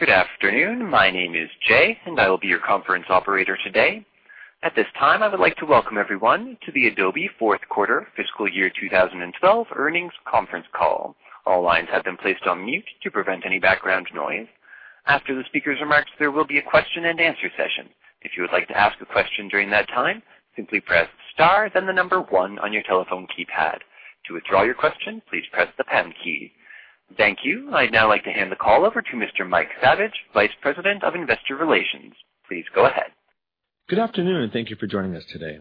Good afternoon. My name is Jay, and I will be your conference operator today. At this time, I would like to welcome everyone to the Adobe fourth quarter fiscal year 2012 earnings conference call. All lines have been placed on mute to prevent any background noise. After the speaker's remarks, there will be a question and answer session. If you would like to ask a question during that time, simply press star then the number 1 on your telephone keypad. To withdraw your question, please press the pound key. Thank you. I'd now like to hand the call over to Mr. Mike Saviage, Vice President of Investor Relations. Please go ahead. Good afternoon. Thank you for joining us today.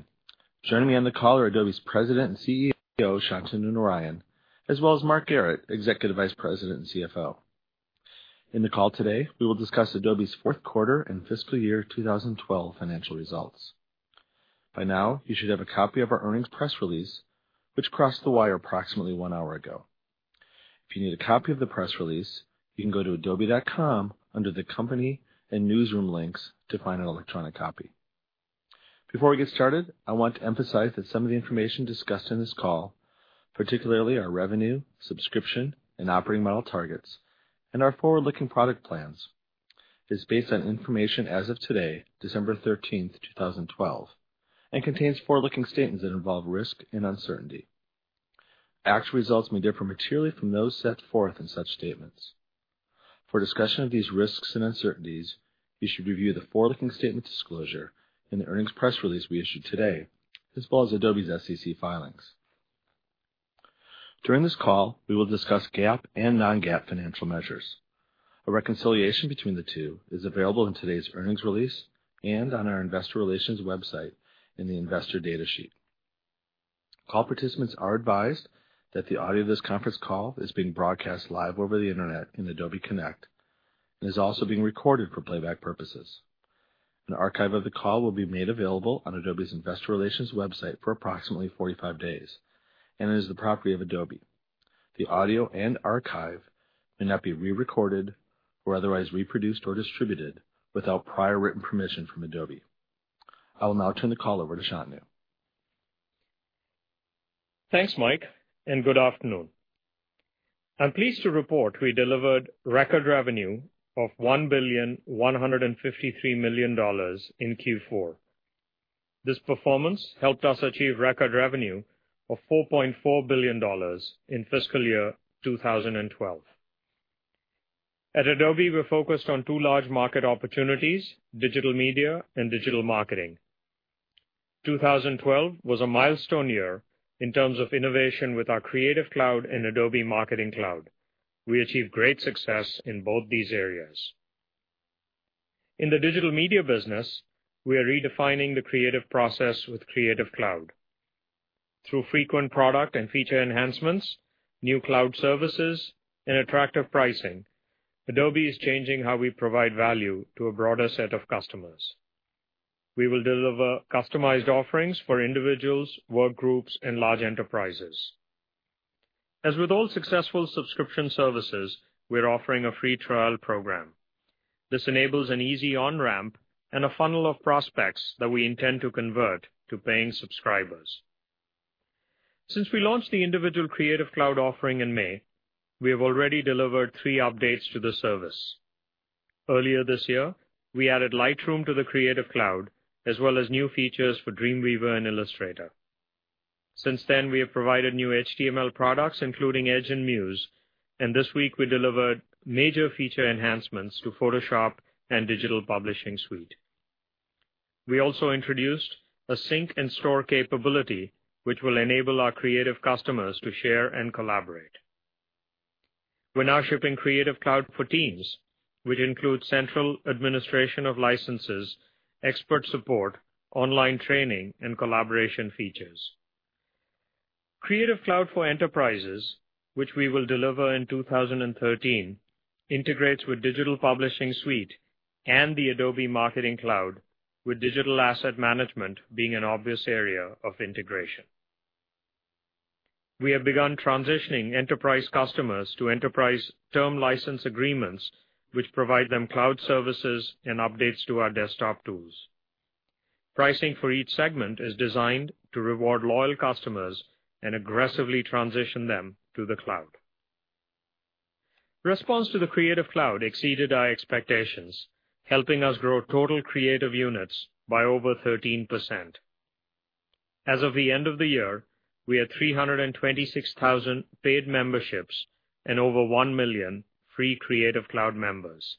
Joining me on the call are Adobe's President and CEO, Shantanu Narayen, as well as Mark Garrett, Executive Vice President and CFO. In the call today, we will discuss Adobe's fourth quarter and fiscal year 2012 financial results. By now, you should have a copy of our earnings press release, which crossed the wire approximately one hour ago. If you need a copy of the press release, you can go to adobe.com under the company and newsroom links to find an electronic copy. Before we get started, I want to emphasize that some of the information discussed on this call, particularly our revenue, subscription and operating model targets, and our forward-looking product plans, is based on information as of today, December 13, 2012, and contains forward-looking statements that involve risk and uncertainty. Actual results may differ materially from those set forth in such statements. For a discussion of these risks and uncertainties, you should review the forward-looking statement disclosure in the earnings press release we issued today, as well as Adobe's SEC filings. During this call, we will discuss GAAP and non-GAAP financial measures. A reconciliation between the two is available in today's earnings release and on our investor relations website in the investor data sheet. Call participants are advised that the audio of this conference call is being broadcast live over the internet on Adobe Connect and is also being recorded for playback purposes. An archive of the call will be made available on Adobe's investor relations website for approximately 45 days and is the property of Adobe. The audio and archive may not be re-recorded or otherwise reproduced or distributed without prior written permission from Adobe. I will now turn the call over to Shantanu. Thanks, Mike. Good afternoon. I'm pleased to report we delivered record revenue of $1,153,000,000 in Q4. This performance helped us achieve record revenue of $4.4 billion in fiscal year 2012. At Adobe, we're focused on two large market opportunities, digital media and digital marketing. 2012 was a milestone year in terms of innovation with our Creative Cloud and Adobe Marketing Cloud. We achieved great success in both these areas. In the digital media business, we are redefining the creative process with Creative Cloud. Through frequent product and feature enhancements, new cloud services, and attractive pricing, Adobe is changing how we provide value to a broader set of customers. We will deliver customized offerings for individuals, workgroups, and large enterprises. As with all successful subscription services, we're offering a free trial program. This enables an easy on-ramp and a funnel of prospects that we intend to convert to paying subscribers. Since we launched the individual Creative Cloud offering in May, we have already delivered three updates to the service. Earlier this year, we added Lightroom to the Creative Cloud, as well as new features for Dreamweaver and Illustrator. Since then, we have provided new HTML products, including Edge and Muse, and this week we delivered major feature enhancements to Photoshop and Digital Publishing Suite. We also introduced a sync and store capability, which will enable our creative customers to share and collaborate. We're now shipping Creative Cloud for Teams, which includes central administration of licenses, expert support, online training, and collaboration features. Creative Cloud for Enterprises, which we will deliver in 2013, integrates with Digital Publishing Suite and the Adobe Marketing Cloud, with digital asset management being an obvious area of integration. We have begun transitioning enterprise customers to Enterprise Term License Agreements, which provide them cloud services and updates to our desktop tools. Pricing for each segment is designed to reward loyal customers and aggressively transition them to the cloud. Response to the Creative Cloud exceeded our expectations, helping us grow total creative units by over 13%. As of the end of the year, we had 326,000 paid memberships and over 1 million free Creative Cloud members.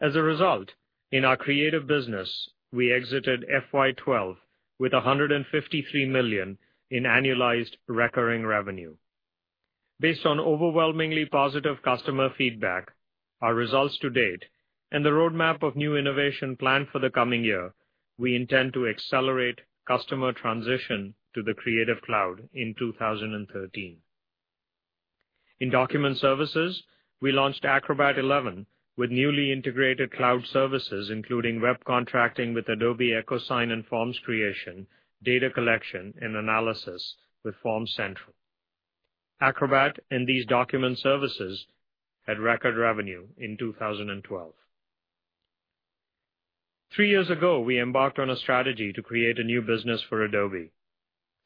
As a result, in our creative business, we exited FY 2012 with $153 million in annualized recurring revenue. Based on overwhelmingly positive customer feedback, our results to date, and the roadmap of new innovation planned for the coming year, we intend to accelerate customer transition to the Creative Cloud in 2013. In document services, we launched Acrobat XI with newly integrated cloud services, including web contracting with Adobe EchoSign and forms creation, data collection, and analysis with FormsCentral. Acrobat and these document services had record revenue in 2012. Three years ago, we embarked on a strategy to create a new business for Adobe.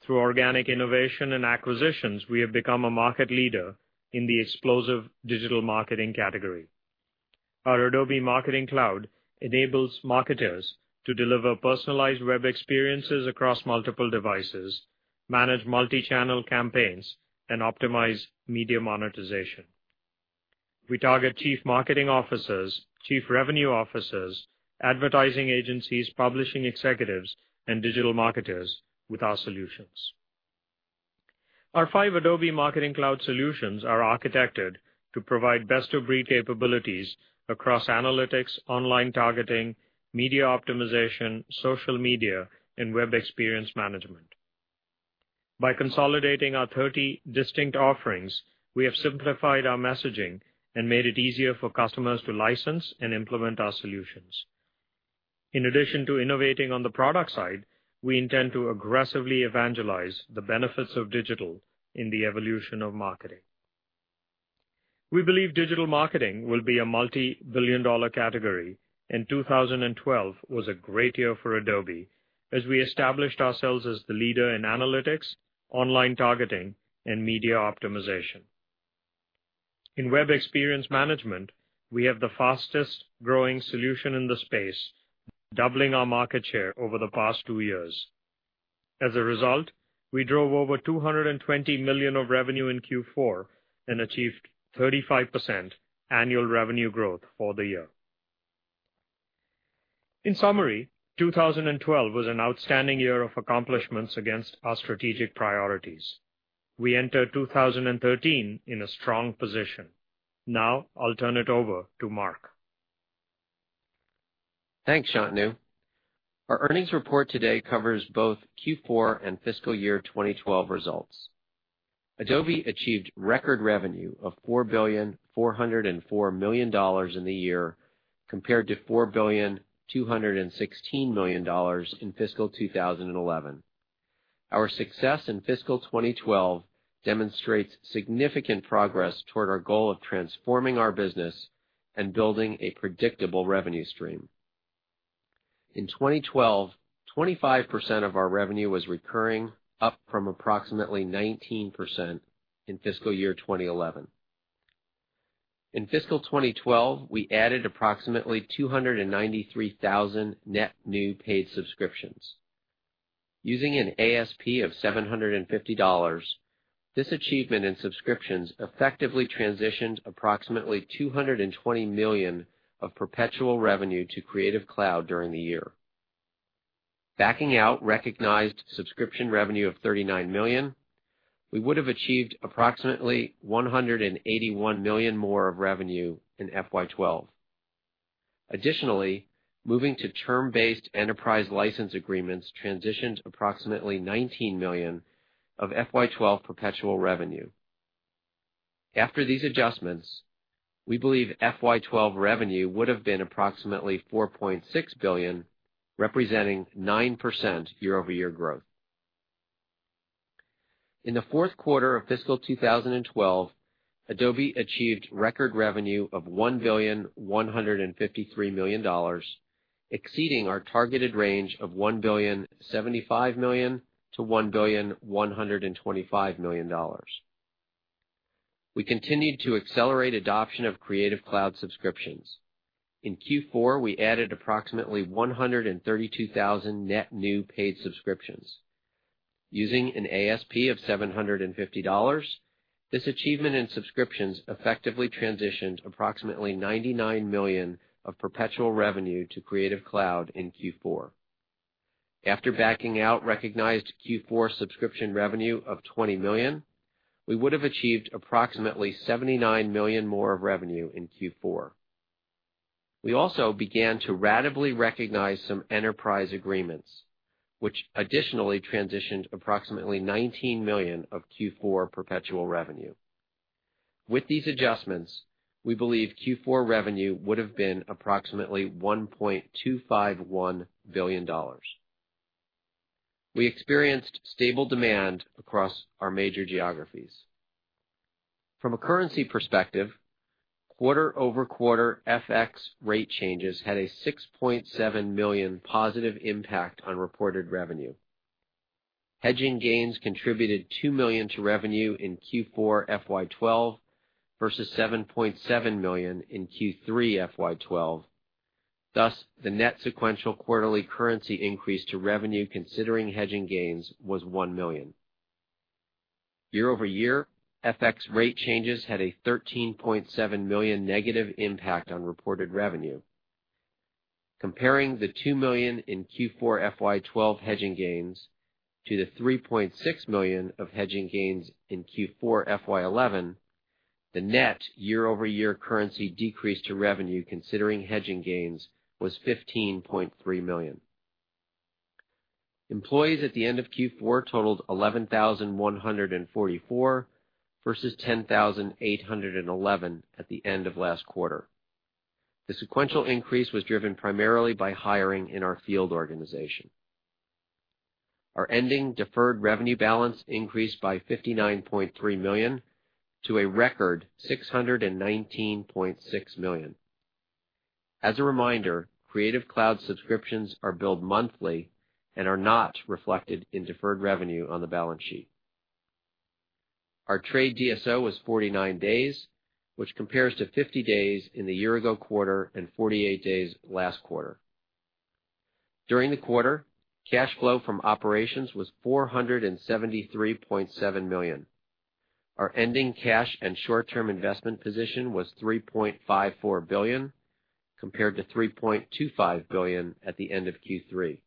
Through organic innovation and acquisitions, we have become a market leader in the explosive digital marketing category. Our Adobe Marketing Cloud enables marketers to deliver personalized web experiences across multiple devices, manage multi-channel campaigns, and optimize media monetization. We target Chief Marketing Officers, Chief Revenue Officers, advertising agencies, publishing executives, and digital marketers with our solutions. Our five Adobe Marketing Cloud solutions are architected to provide best-of-breed capabilities across analytics, online targeting, media optimization, social media, and Web Experience Management. By consolidating our 30 distinct offerings, we have simplified our messaging and made it easier for customers to license and implement our solutions. In addition to innovating on the product side, we intend to aggressively evangelize the benefits of digital in the evolution of marketing. We believe digital marketing will be a multi-billion-dollar category, and 2012 was a great year for Adobe as we established ourselves as the leader in analytics, online targeting, and media optimization. In Web Experience Management, we have the fastest-growing solution in the space, doubling our market share over the past two years. As a result, we drove over $220 million of revenue in Q4 and achieved 35% annual revenue growth for the year. In summary, 2012 was an outstanding year of accomplishments against our strategic priorities. We enter 2013 in a strong position. Now I'll turn it over to Mark. Thanks, Shantanu. Our earnings report today covers both Q4 and fiscal year 2012 results. Adobe achieved record revenue of $4.404 billion in the year, compared to $4.216 billion in fiscal 2011. Our success in fiscal 2012 demonstrates significant progress toward our goal of transforming our business and building a predictable revenue stream. In 2012, 25% of our revenue was recurring, up from approximately 19% in fiscal year 2011. In fiscal 2012, we added approximately 293,000 net new paid subscriptions. Using an ASP of $750, this achievement in subscriptions effectively transitioned approximately $220 million of perpetual revenue to Creative Cloud during the year. Backing out recognized subscription revenue of $39 million, we would have achieved approximately $181 million more of revenue in FY 2012. Additionally, moving to term-based enterprise license agreements transitioned approximately $19 million of FY 2012 perpetual revenue. After these adjustments, we believe FY 2012 revenue would have been approximately $4.6 billion, representing 9% year-over-year growth. In the fourth quarter of fiscal 2012, Adobe achieved record revenue of $1.153 billion, exceeding our targeted range of $1.075 billion-$1.125 billion. We continued to accelerate adoption of Creative Cloud subscriptions. In Q4, we added approximately 132,000 net new paid subscriptions. Using an ASP of $750, this achievement in subscriptions effectively transitioned approximately $99 million of perpetual revenue to Creative Cloud in Q4. After backing out recognized Q4 subscription revenue of $20 million, we would have achieved approximately $79 million more of revenue in Q4. We also began to ratably recognize some enterprise agreements, which additionally transitioned approximately $19 million of Q4 perpetual revenue. With these adjustments, we believe Q4 revenue would've been approximately $1.251 billion. We experienced stable demand across our major geographies. From a currency perspective, quarter-over-quarter FX rate changes had a $6.7 million positive impact on reported revenue. Hedging gains contributed $2 million to revenue in Q4 FY 2012 versus $7.7 million in Q3 FY 2012. Thus, the net sequential quarterly currency increase to revenue considering hedging gains was $1 million. Year-over-year, FX rate changes had a $13.7 million negative impact on reported revenue. Comparing the $2 million in Q4 FY 2012 hedging gains to the $3.6 million of hedging gains in Q4 FY 2011, the net year-over-year currency decrease to revenue considering hedging gains was $15.3 million. Employees at the end of Q4 totaled 11,144 versus 10,811 at the end of last quarter. The sequential increase was driven primarily by hiring in our field organization. Our ending deferred revenue balance increased by $59.3 million to a record $619.6 million. As a reminder, Creative Cloud subscriptions are billed monthly and are not reflected in deferred revenue on the balance sheet. Our trade DSO was 49 days, which compares to 50 days in the year-ago quarter and 48 days last quarter. During the quarter, cash flow from operations was $473.7 million. Our ending cash and short-term investment position was $3.54 billion, compared to $3.25 billion at the end of Q3.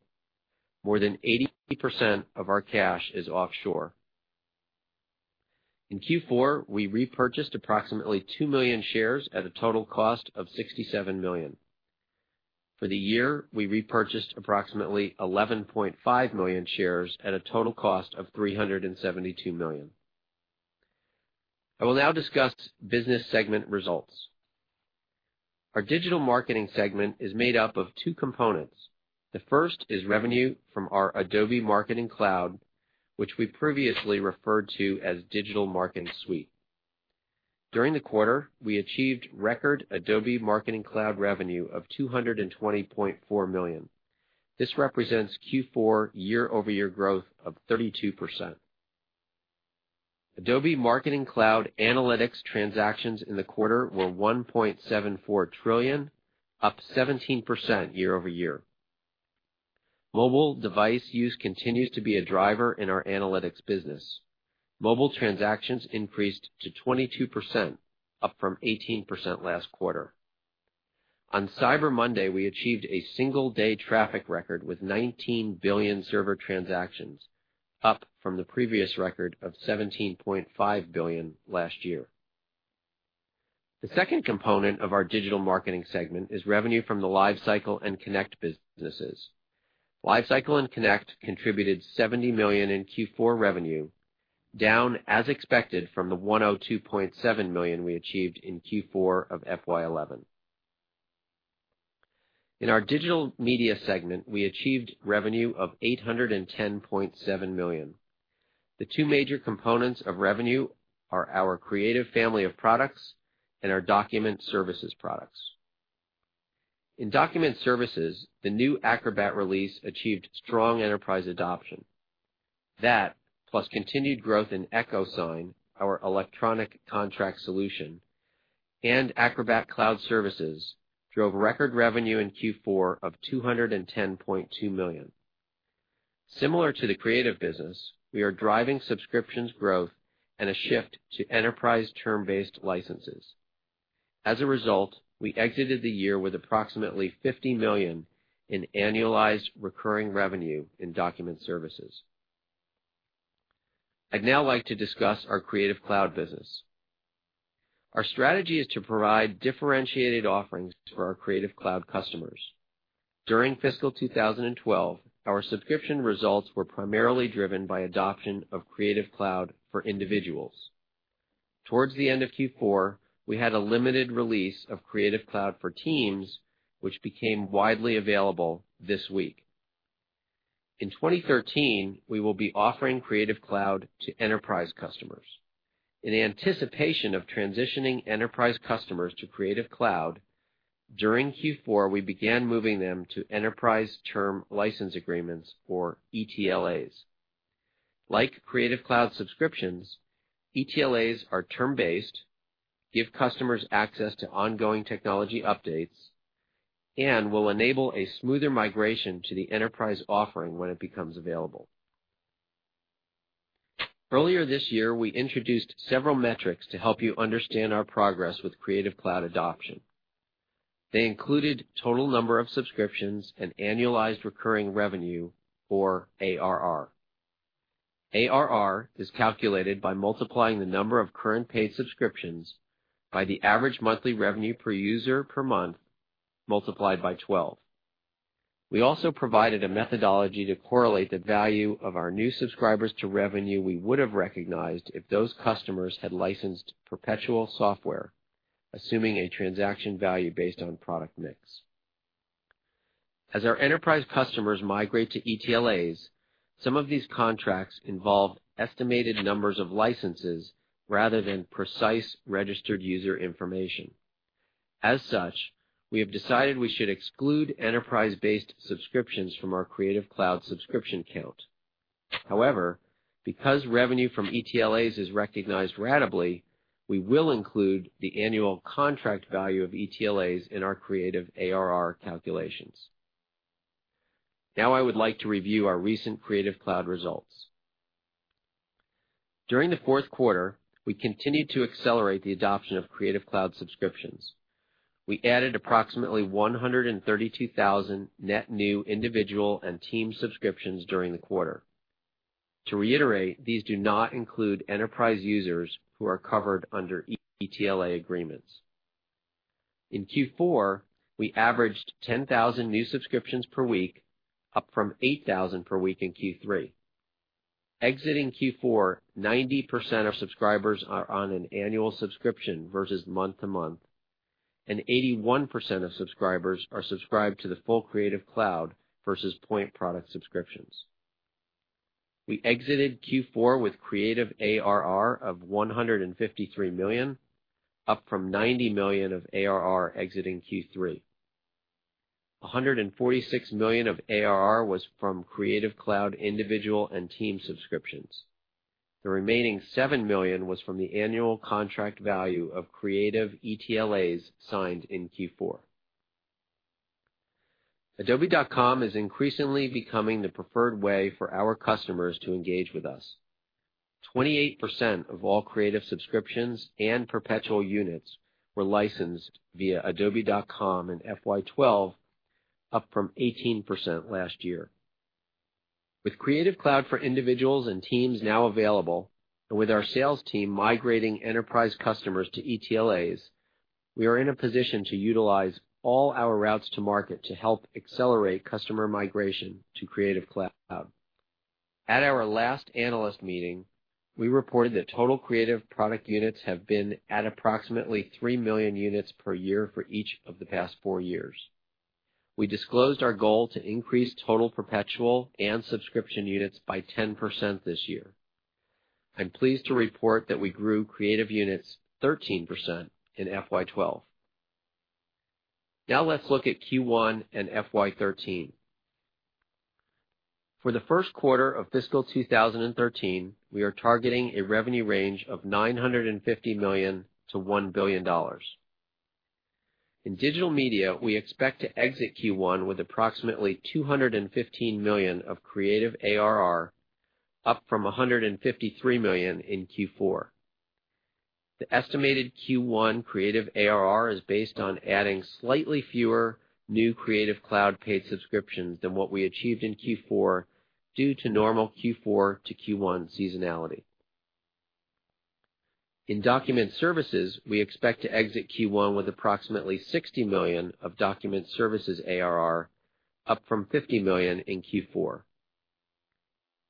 More than 80% of our cash is offshore. In Q4, we repurchased approximately $2 million shares at a total cost of $67 million. For the year, we repurchased approximately $11.5 million shares at a total cost of $372 million. I will now discuss business segment results. Our digital marketing segment is made up of two components. The first is revenue from our Adobe Marketing Cloud, which we previously referred to as Digital Marketing Suite. During the quarter, we achieved record Adobe Marketing Cloud revenue of $220.4 million. This represents Q4 year-over-year growth of 32%. Adobe Marketing Cloud Analytics transactions in the quarter were $1.74 trillion, up 17% year-over-year. Mobile device use continues to be a driver in our analytics business. Mobile transactions increased to 22%, up from 18% last quarter. On Cyber Monday, we achieved a single-day traffic record with $19 billion server transactions, up from the previous record of $17.5 billion last year. The second component of our digital marketing segment is revenue from the LiveCycle and Connect businesses. LiveCycle and Connect contributed $70 million in Q4 revenue, down, as expected, from the $102.7 million we achieved in Q4 of FY 2011. In our digital media segment, we achieved revenue of $810.7 million. The two major components of revenue are our Creative family of products and our Document Services products. In Document Services, the new Acrobat release achieved strong enterprise adoption. That, plus continued growth in EchoSign, our electronic contract solution, and Acrobat Cloud Services drove record revenue in Q4 of $210.2 million. Similar to the Creative business, we are driving subscriptions growth and a shift to enterprise term-based licenses. As a result, we exited the year with approximately $50 million in annualized recurring revenue in Document Services. I'd now like to discuss our Creative Cloud business. Our strategy is to provide differentiated offerings for our Creative Cloud customers. During fiscal 2012, our subscription results were primarily driven by adoption of Creative Cloud for individuals. Towards the end of Q4, we had a limited release of Creative Cloud for Teams, which became widely available this week. In 2013, we will be offering Creative Cloud to enterprise customers. In anticipation of transitioning enterprise customers to Creative Cloud, during Q4, we began moving them to enterprise term license agreements, or ETLAs. Like Creative Cloud subscriptions, ETLAs are term based, give customers access to ongoing technology updates, and will enable a smoother migration to the Enterprise offering when it becomes available. Earlier this year, we introduced several metrics to help you understand our progress with Creative Cloud adoption. They included total number of subscriptions and annualized recurring revenue, or ARR. ARR is calculated by multiplying the number of current paid subscriptions by the average monthly revenue per user per month, multiplied by 12. We also provided a methodology to correlate the value of our new subscribers to revenue we would have recognized if those customers had licensed perpetual software, assuming a transaction value based on product mix. As our enterprise customers migrate to ETLAs, some of these contracts involve estimated numbers of licenses rather than precise registered user information. As such, we have decided we should exclude enterprise-based subscriptions from our Creative Cloud subscription count. However, because revenue from ETLAs is recognized ratably, we will include the annual contract value of ETLAs in our creative ARR calculations. Now I would like to review our recent Creative Cloud results. During the fourth quarter, we continued to accelerate the adoption of Creative Cloud subscriptions. We added approximately 132,000 net new individual and team subscriptions during the quarter. To reiterate, these do not include enterprise users who are covered under ETLA agreements. In Q4, we averaged 10,000 new subscriptions per week, up from 8,000 per week in Q3. Exiting Q4, 90% of subscribers are on an annual subscription versus month-to-month, 81% of subscribers are subscribed to the full Creative Cloud versus point product subscriptions. We exited Q4 with creative ARR of $153 million, up from $90 million of ARR exiting Q3. $146 million of ARR was from Creative Cloud individual and team subscriptions. The remaining $7 million was from the annual contract value of creative ETLAs signed in Q4. adobe.com is increasingly becoming the preferred way for our customers to engage with us. 28% of all creative subscriptions and perpetual units were licensed via adobe.com in FY 2012, up from 18% last year. With Creative Cloud for individuals and teams now available, with our sales team migrating enterprise customers to ETLAs, we are in a position to utilize all our routes to market to help accelerate customer migration to Creative Cloud. At our last analyst meeting, we reported that total creative product units have been at approximately 3 million units per year for each of the past four years. We disclosed our goal to increase total perpetual and subscription units by 10% this year. I'm pleased to report that we grew creative units 13% in FY 2012. Now let's look at Q1 and FY 2013. For the first quarter of fiscal 2013, we are targeting a revenue range of $950 million to $1 billion. In digital media, we expect to exit Q1 with approximately $215 million of creative ARR, up from $153 million in Q4. The estimated Q1 creative ARR is based on adding slightly fewer new Creative Cloud paid subscriptions than what we achieved in Q4, due to normal Q4 to Q1 seasonality. In document services, we expect to exit Q1 with approximately $60 million of document services ARR, up from $50 million in Q4.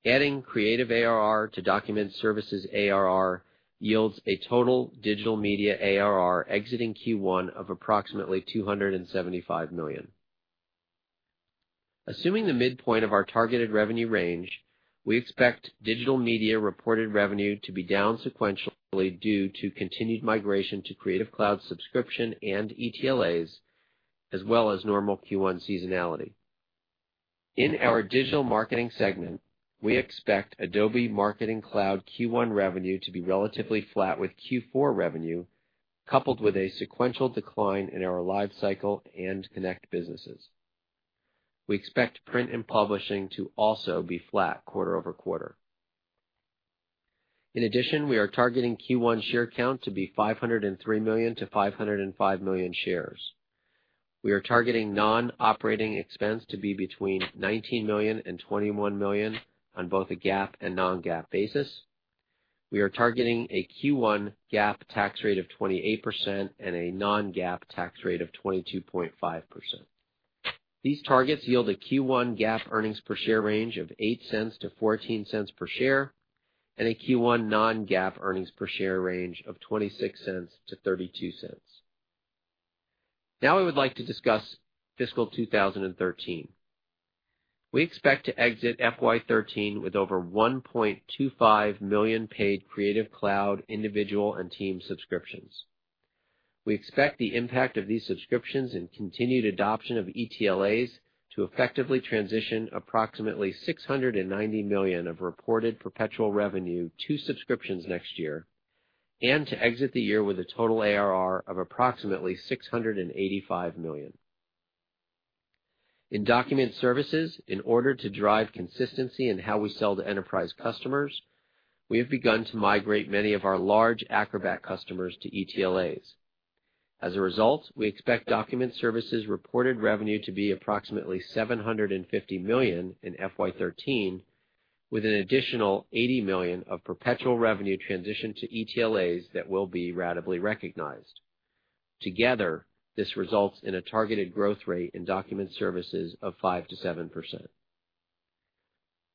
Adding creative ARR to document services ARR yields a total digital media ARR exiting Q1 of approximately $275 million. Assuming the midpoint of our targeted revenue range, we expect digital media reported revenue to be down sequentially due to continued migration to Creative Cloud subscription and ETLAs, as well as normal Q1 seasonality. In our digital marketing segment, we expect Adobe Marketing Cloud Q1 revenue to be relatively flat with Q4 revenue, coupled with a sequential decline in our LiveCycle and Connect businesses. We expect print and publishing to also be flat quarter-over-quarter. In addition, we are targeting Q1 share count to be 503 million to 505 million shares. We are targeting non-operating expense to be between $19 million and $21 million on both a GAAP and non-GAAP basis. We are targeting a Q1 GAAP tax rate of 28% and a non-GAAP tax rate of 22.5%. These targets yield a Q1 GAAP earnings per share range of $0.08-$0.14 per share, and a Q1 non-GAAP earnings per share range of $0.26-$0.32. Now I would like to discuss FY 2013. We expect to exit FY 2013 with over 1.25 million paid Creative Cloud individual and team subscriptions. We expect the impact of these subscriptions and continued adoption of ETLAs to effectively transition approximately $690 million of reported perpetual revenue to subscriptions next year, and to exit the year with a total ARR of approximately $685 million. In document services, in order to drive consistency in how we sell to enterprise customers, we have begun to migrate many of our large Acrobat customers to ETLAs. As a result, we expect document services reported revenue to be approximately $750 million in FY 2013, with an additional $80 million of perpetual revenue transition to ETLAs that will be ratably recognized. Together, this results in a targeted growth rate in document services of 5%-7%.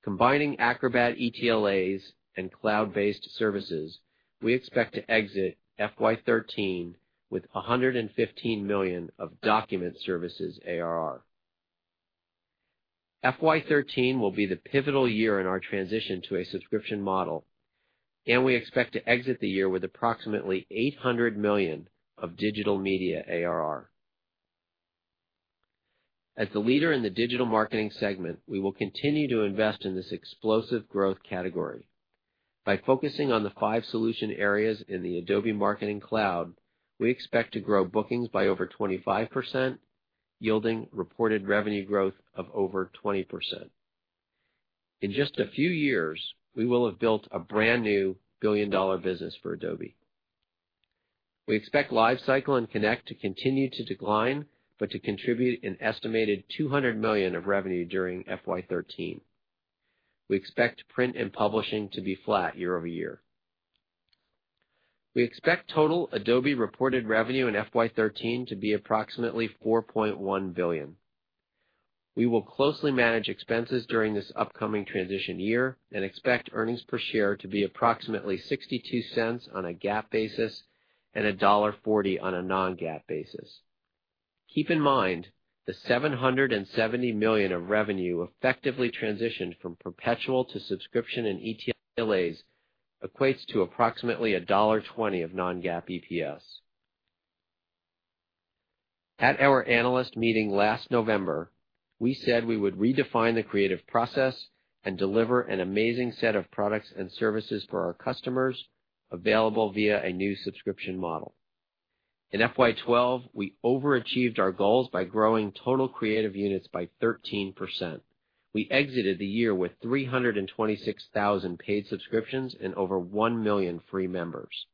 Combining Acrobat ETLAs and cloud-based services, we expect to exit FY 2013 with $115 million of document services ARR. FY 2013 will be the pivotal year in our transition to a subscription model, and we expect to exit the year with approximately $800 million of digital media ARR. As the leader in the digital marketing segment, we will continue to invest in this explosive growth category. By focusing on the five solution areas in the Adobe Marketing Cloud, we expect to grow bookings by over 25%, yielding reported revenue growth of over 20%. In just a few years, we will have built a brand-new billion-dollar business for Adobe. We expect LiveCycle and Connect to continue to decline, but to contribute an estimated $200 million of revenue during FY 2013. We expect print and publishing to be flat year-over-year. We expect total Adobe reported revenue in FY 2013 to be approximately $4.1 billion. We will closely manage expenses during this upcoming transition year and expect earnings per share to be approximately $0.62 on a GAAP basis and $1.40 on a non-GAAP basis. Keep in mind that $770 million of revenue effectively transitioned from perpetual to subscription and ETLAs equates to approximately $1.20 of non-GAAP EPS. At our analyst meeting last November, we said we would redefine the creative process and deliver an amazing set of products and services for our customers, available via a new subscription model. In FY 2012, we overachieved our goals by growing total creative units by 13%. We exited the year with 326,000 paid subscriptions and over 1 million free members.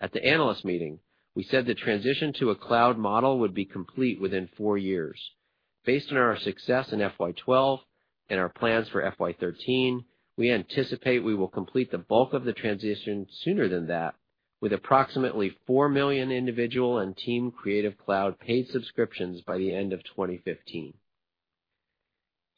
At the analyst meeting, we said the transition to a cloud model would be complete within four years. Based on our success in FY 2012 and our plans for FY 2013, we anticipate we will complete the bulk of the transition sooner than that, with approximately 4 million individual and team Creative Cloud paid subscriptions by the end of 2015.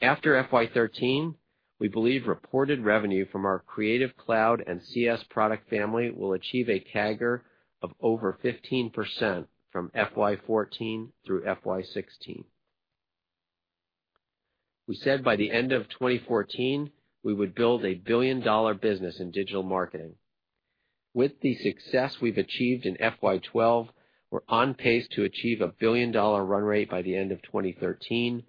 After FY 2013, we believe reported revenue from our Creative Cloud and CS product family will achieve a CAGR of over 15% from FY 2014 through FY 2016. We said by the end of 2014, we would build a billion-dollar business in digital marketing. With the success we've achieved in FY 2012, we're on pace to achieve a billion-dollar run rate by the end of 2013,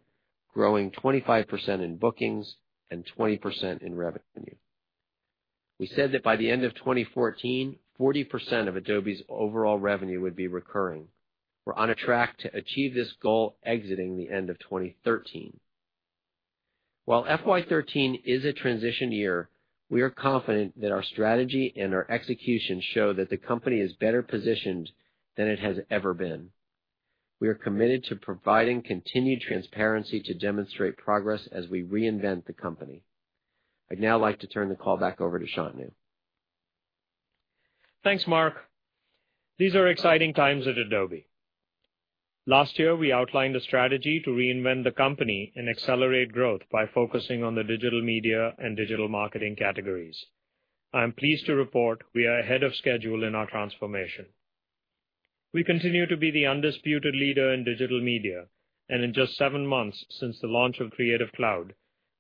growing 25% in bookings and 20% in revenue. We said that by the end of 2014, 40% of Adobe's overall revenue would be recurring. We're on a track to achieve this goal exiting the end of 2013. While FY 2013 is a transition year, we are confident that our strategy and our execution show that the company is better positioned than it has ever been. We are committed to providing continued transparency to demonstrate progress as we reinvent the company. I'd now like to turn the call back over to Shantanu. Thanks, Mark. These are exciting times at Adobe. Last year, we outlined a strategy to reinvent the company and accelerate growth by focusing on the digital media and digital marketing categories. I am pleased to report we are ahead of schedule in our transformation. We continue to be the undisputed leader in digital media, and in just seven months since the launch of Creative Cloud,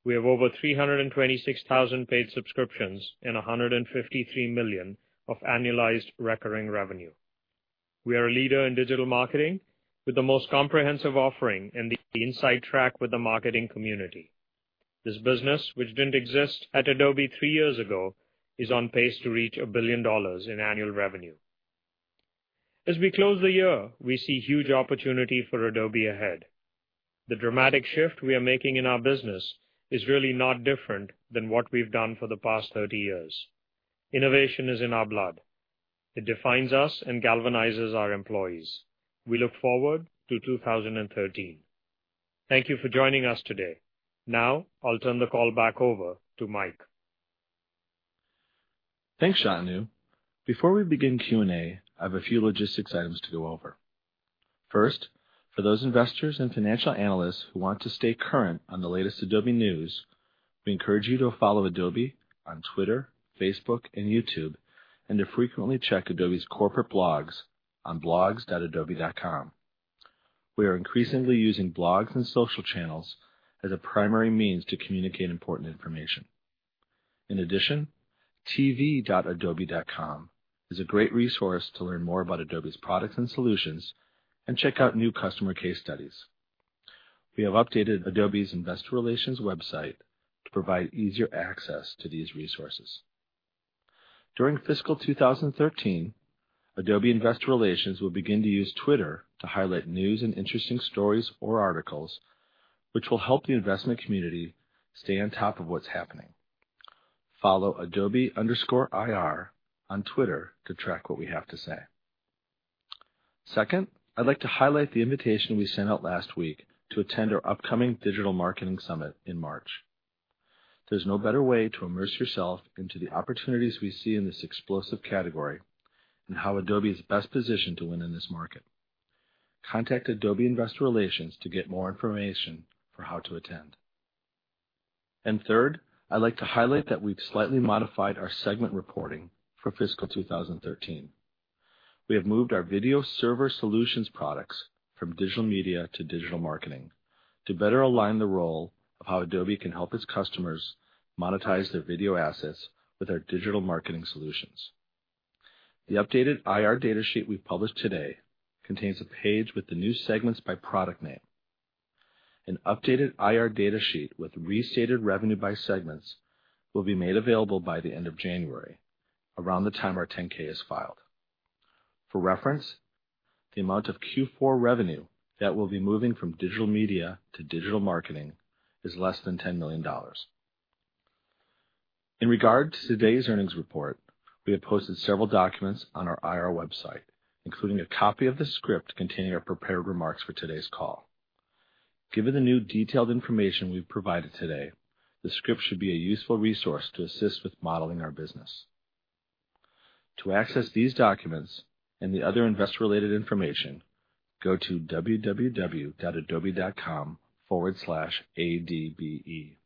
we have over 326,000 paid subscriptions and $153 million of annualized recurring revenue. We are a leader in digital marketing with the most comprehensive offering and the inside track with the marketing community. This business, which didn't exist at Adobe three years ago, is on pace to reach a billion dollars in annual revenue. As we close the year, we see huge opportunity for Adobe ahead. The dramatic shift we are making in our business is really not different than what we've done for the past 30 years. Innovation is in our blood. It defines us and galvanizes our employees. We look forward to 2013. Thank you for joining us today. Now, I'll turn the call back over to Mike. Thanks, Shantanu. Before we begin Q&A, I have a few logistics items to go over. First, for those investors and financial analysts who want to stay current on the latest Adobe news, we encourage you to follow Adobe on Twitter, Facebook, and YouTube, and to frequently check Adobe's corporate blogs on blogs.adobe.com. We are increasingly using blogs and social channels as a primary means to communicate important information. In addition, tv.adobe.com is a great resource to learn more about Adobe's products and solutions and check out new customer case studies. We have updated Adobe's Investor Relations website to provide easier access to these resources. During fiscal 2013, Adobe Investor Relations will begin to use Twitter to highlight news and interesting stories or articles which will help the investment community stay on top of what's happening. Follow Adobe_IR on Twitter to track what we have to say. Second, I'd like to highlight the invitation we sent out last week to attend our upcoming Digital Marketing Summit in March. There's no better way to immerse yourself into the opportunities we see in this explosive category and how Adobe is best positioned to win in this market. Contact Adobe Investor Relations to get more information for how to attend. Third, I'd like to highlight that we've slightly modified our segment reporting for fiscal 2013. We have moved our video server solutions products from Digital Media to Digital Marketing to better align the role of how Adobe can help its customers monetize their video assets with our Digital Marketing solutions. The updated IR data sheet we've published today contains a page with the new segments by product name. An updated IR data sheet with restated revenue by segments will be made available by the end of January, around the time our 10-K is filed. For reference, the amount of Q4 revenue that will be moving from Digital Media to Digital Marketing is less than $10 million. In regard to today's earnings report, we have posted several documents on our IR website, including a copy of the script containing our prepared remarks for today's call. Given the new detailed information we've provided today, the script should be a useful resource to assist with modeling our business. To access these documents and the other investor-related information, go to www.adobe.com/ADBE.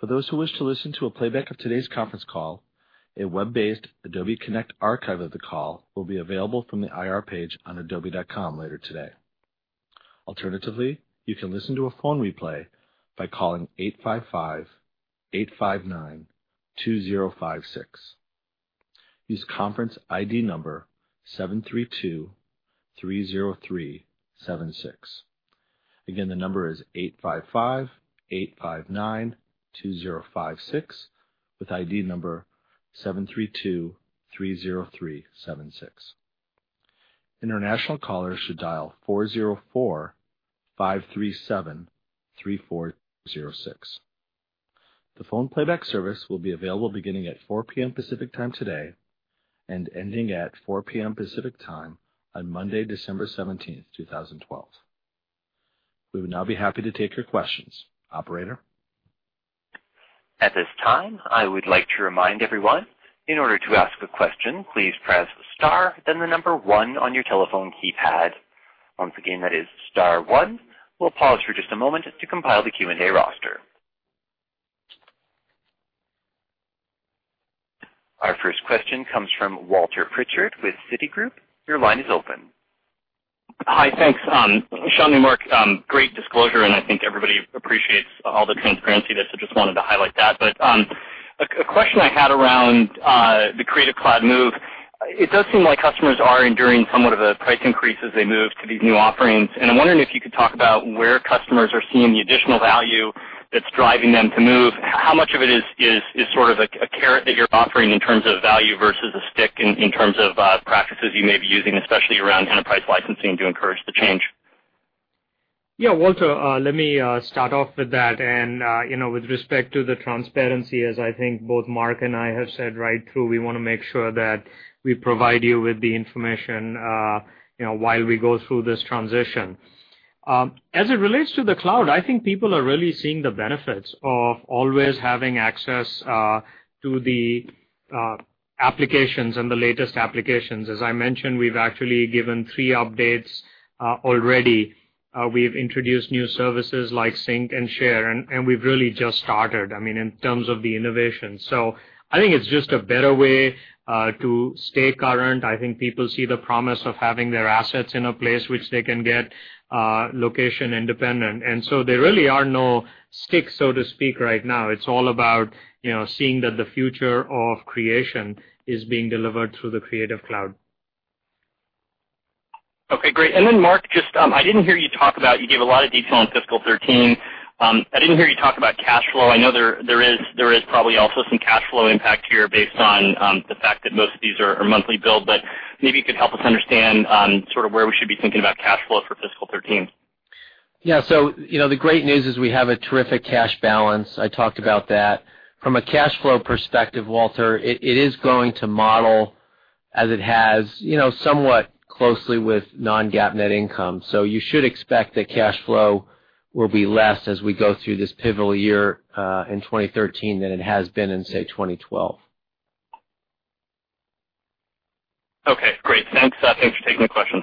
For those who wish to listen to a playback of today's conference call, a web-based Adobe Connect archive of the call will be available from the IR page on adobe.com later today. Alternatively, you can listen to a phone replay by calling 855-859-2056. Use conference ID number 73230376. Again, the number is 855-859-2056 with ID number 73230376. International callers should dial 404-537-3406. The phone playback service will be available beginning at 4:00 P.M. Pacific Time today and ending at 4:00 P.M. Pacific Time on Monday, December 17th, 2012. We would now be happy to take your questions. Operator? At this time, I would like to remind everyone, in order to ask a question, please press star then the number one on your telephone keypad. Once again, that is star one. We'll pause for just a moment to compile the Q&A roster. Our first question comes from Walter Pritchard with Citigroup. Your line is open. Hi. Thanks. Shantanu, Mark, great disclosure, and I think everybody appreciates all the transparency. I just wanted to highlight that. A question I had around the Creative Cloud move, it does seem like customers are enduring somewhat of a price increase as they move to these new offerings, and I'm wondering if you could talk about where customers are seeing the additional value that's driving them to move. How much of it is sort of a carrot that you're offering in terms of value versus a stick in terms of practices you may be using, especially around enterprise licensing to encourage the change? Yeah, Walter, let me start off with that. With respect to the transparency, as I think both Mark and I have said right through, we want to make sure that we provide you with the information while we go through this transition. As it relates to the cloud, I think people are really seeing the benefits of always having access to the applications and the latest applications. As I mentioned, we've actually given three updates already. We've introduced new services like Sync and Share, and we've really just started, I mean, in terms of the innovation. I think it's just a better way to stay current. I think people see the promise of having their assets in a place which they can get location-independent. There really are no sticks, so to speak, right now. It's all about seeing that the future of creation is being delivered through the Creative Cloud. Okay, great. Mark, you gave a lot of detail on fiscal 2013. I didn't hear you talk about cash flow. I know there is probably also some cash flow impact here based on the fact that most of these are monthly billed, but maybe you could help us understand sort of where we should be thinking about cash flow for fiscal 2013. Yeah. The great news is we have a terrific cash balance. I talked about that. From a cash flow perspective, Walter, it is going to model as it has somewhat closely with non-GAAP net income. You should expect that cash flow will be less as we go through this pivotal year in 2013 than it has been in, say, 2012. Okay, great. Thanks. Thanks for taking the questions.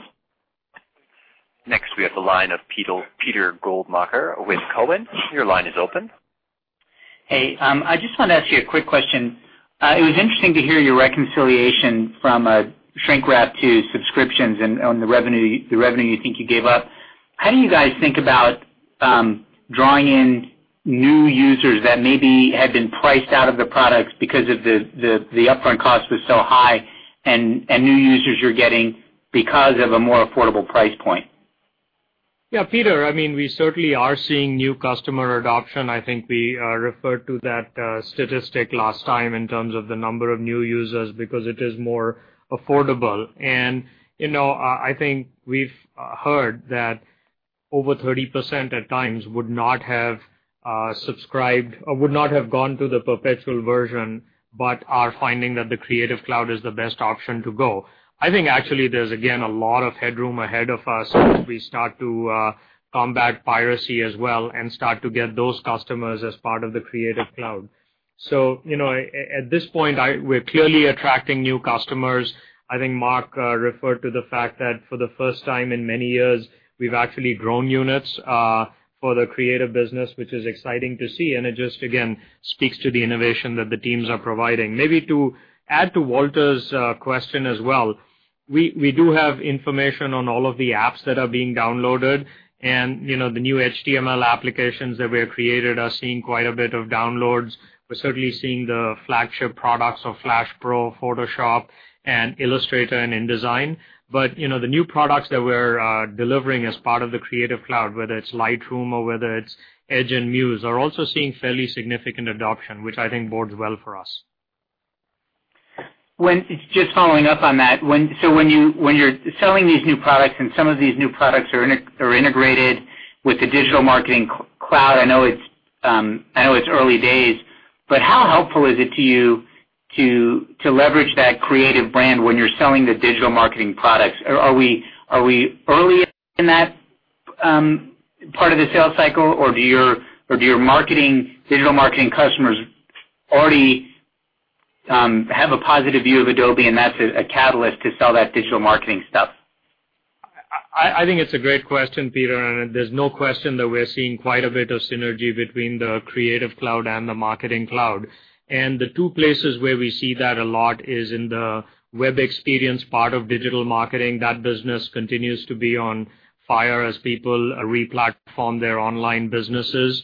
Next, we have the line of Peter Goldmacher with Cowen. Your line is open. Hey, I just wanted to ask you a quick question. It was interesting to hear your reconciliation from a shrink wrap to subscriptions and on the revenue you think you gave up. How do you guys think about drawing in new users that maybe had been priced out of the products because the upfront cost was so high and new users you're getting because of a more affordable price point? Peter, we certainly are seeing new customer adoption. I think we referred to that statistic last time in terms of the number of new users because it is more affordable. I think we've heard that over 30% at times would not have subscribed or would not have gone to the perpetual version but are finding that the Creative Cloud is the best option to go. I think actually there's, again, a lot of headroom ahead of us as we start to combat piracy as well and start to get those customers as part of the Creative Cloud. At this point, we're clearly attracting new customers. I think Mark referred to the fact that for the first time in many years, we've actually grown units for the creative business, which is exciting to see, and it just, again, speaks to the innovation that the teams are providing. Maybe to add to Walter's question as well, we do have information on all of the apps that are being downloaded and the new HTML applications that we have created are seeing quite a bit of downloads. We're certainly seeing the flagship products of Flash Professional, Photoshop, and Illustrator and InDesign. The new products that we're delivering as part of the Creative Cloud, whether it's Lightroom or whether it's Edge and Muse, are also seeing fairly significant adoption, which I think bodes well for us. Just following up on that. When you're selling these new products and some of these new products are integrated with the Digital Marketing Cloud, I know it's early days, but how helpful is it to you To leverage that Creative brand when you're selling the digital marketing products. Are we early in that part of the sales cycle, or do your digital marketing customers already have a positive view of Adobe, and that's a catalyst to sell that digital marketing stuff? I think it's a great question, Peter, there's no question that we're seeing quite a bit of synergy between the Creative Cloud and the Marketing Cloud. The two places where we see that a lot is in the Web Experience part of digital marketing. That business continues to be on fire as people re-platform their online businesses.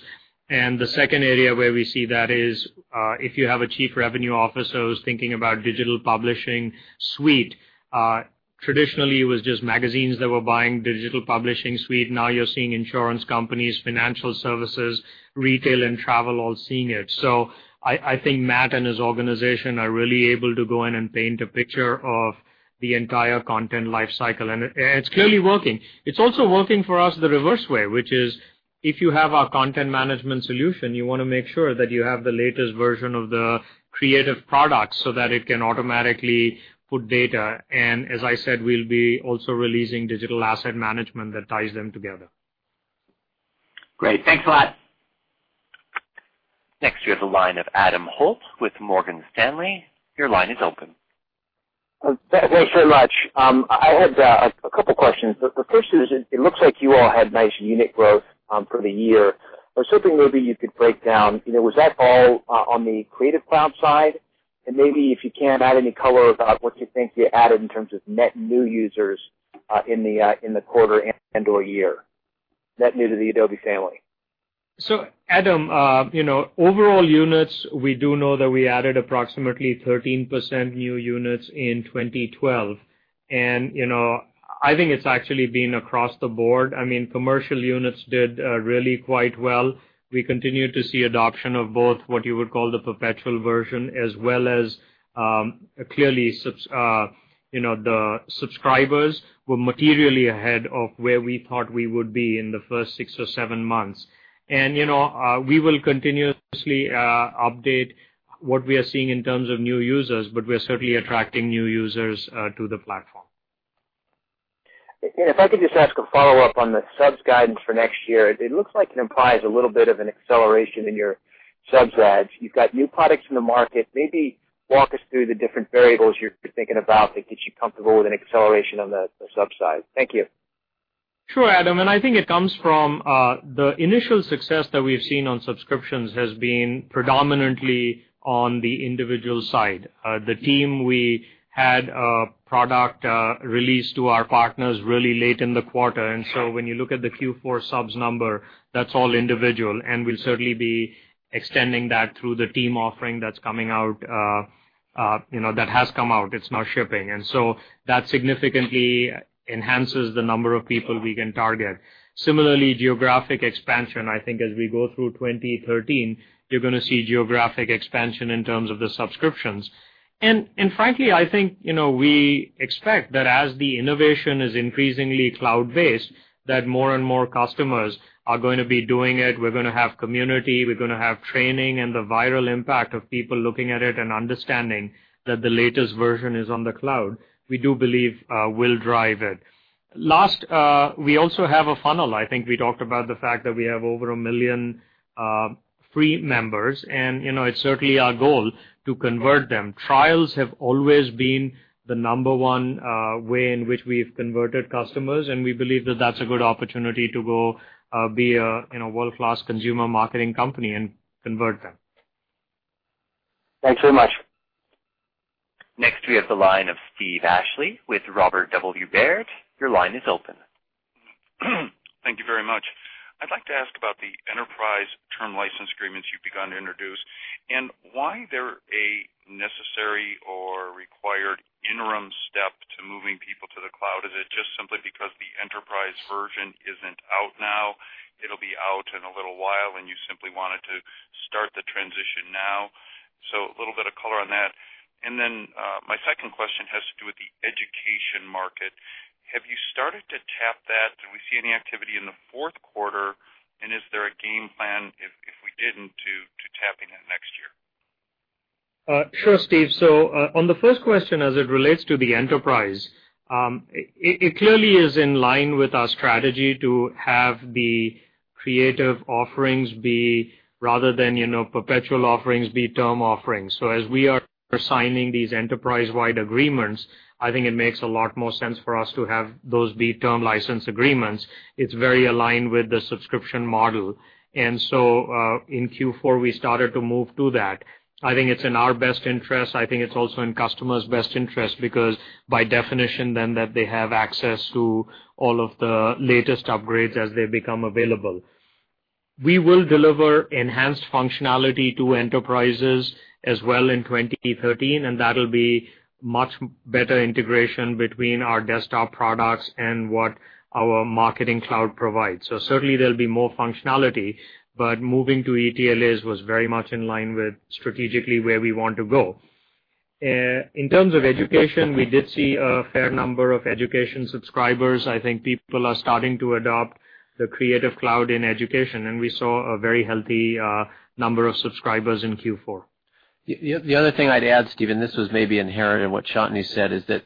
The second area where we see that is, if you have a chief revenue officer who's thinking about Digital Publishing Suite. Traditionally, it was just magazines that were buying Digital Publishing Suite. Now you're seeing insurance companies, financial services, retail, and travel all seeing it. I think Matt and his organization are really able to go in and paint a picture of the entire content life cycle, and it's clearly working. It's also working for us the reverse way, which is if you have our content management solution, you want to make sure that you have the latest version of the creative product so that it can automatically put data. As I said, we'll be also releasing digital asset management that ties them together. Great. Thanks a lot. Next, we have the line of Adam Holt with Morgan Stanley. Your line is open. Thanks very much. I had a couple questions. The first is, it looks like you all had nice unit growth for the year. I was hoping maybe you could break down, was that all on the Creative Cloud side? Maybe, if you can, add any color about what you think you added in terms of net new users in the quarter and/or year, net new to the Adobe family. Adam, overall units, we do know that we added approximately 13% new units in 2012. I think it's actually been across the board. Commercial units did really quite well. We continue to see adoption of both what you would call the perpetual version as well as, clearly, the subscribers were materially ahead of where we thought we would be in the first six or seven months. We will continuously update what we are seeing in terms of new users, but we're certainly attracting new users to the platform. If I could just ask a follow-up on the subs guidance for next year. It looks like it implies a little bit of an acceleration in your subs adds. You've got new products in the market. Maybe walk us through the different variables you're thinking about that gets you comfortable with an acceleration on the subs side. Thank you. Sure, Adam, I think it comes from the initial success that we've seen on subscriptions has been predominantly on the individual side. The team, we had a product release to our partners really late in the quarter, when you look at the Q4 subs number, that's all individual, we'll certainly be extending that through the team offering that's coming out, that has come out. It's now shipping. That significantly enhances the number of people we can target. Similarly, geographic expansion, I think as we go through 2013, you're going to see geographic expansion in terms of the subscriptions. Frankly, I think, we expect that as the innovation is increasingly cloud-based, that more and more customers are going to be doing it. We're going to have community, we're going to have training, the viral impact of people looking at it and understanding that the latest version is on the cloud, we do believe will drive it. Last, we also have a funnel. I think we talked about the fact that we have over a million free members and it's certainly our goal to convert them. Trials have always been the number one way in which we've converted customers, we believe that that's a good opportunity to go be a world-class consumer marketing company and convert them. Thanks very much. Next, we have the line of Steve Ashley with Robert W. Baird. Your line is open. Thank you very much. I'd like to ask about the enterprise term license agreements you've begun to introduce and why they're a necessary or required interim step to moving people to the cloud. Is it just simply because the enterprise version isn't out now, it'll be out in a little while, and you simply wanted to start the transition now? A little bit of color on that. My second question has to do with the education market. Have you started to tap that? Do we see any activity in the fourth quarter, and is there a game plan, if we didn't, to tapping in next year? Sure, Steve. On the first question, as it relates to the enterprise, it clearly is in line with our strategy to have the creative offerings be, rather than perpetual offerings, be term offerings. As we are signing these enterprise-wide agreements, I think it makes a lot more sense for us to have those be term license agreements. It's very aligned with the subscription model. In Q4, we started to move to that. I think it's in our best interest. I think it's also in customers' best interest because, by definition, then that they have access to all of the latest upgrades as they become available. We will deliver enhanced functionality to enterprises as well in 2013, and that'll be much better integration between our desktop products and what our Marketing Cloud provides. Certainly, there'll be more functionality, but moving to ETLAs was very much in line with strategically where we want to go. In terms of education, we did see a fair number of education subscribers. I think people are starting to adopt the Creative Cloud in education, and we saw a very healthy number of subscribers in Q4. The other thing I'd add, Steve, this was maybe inherent in what Shantanu said, is that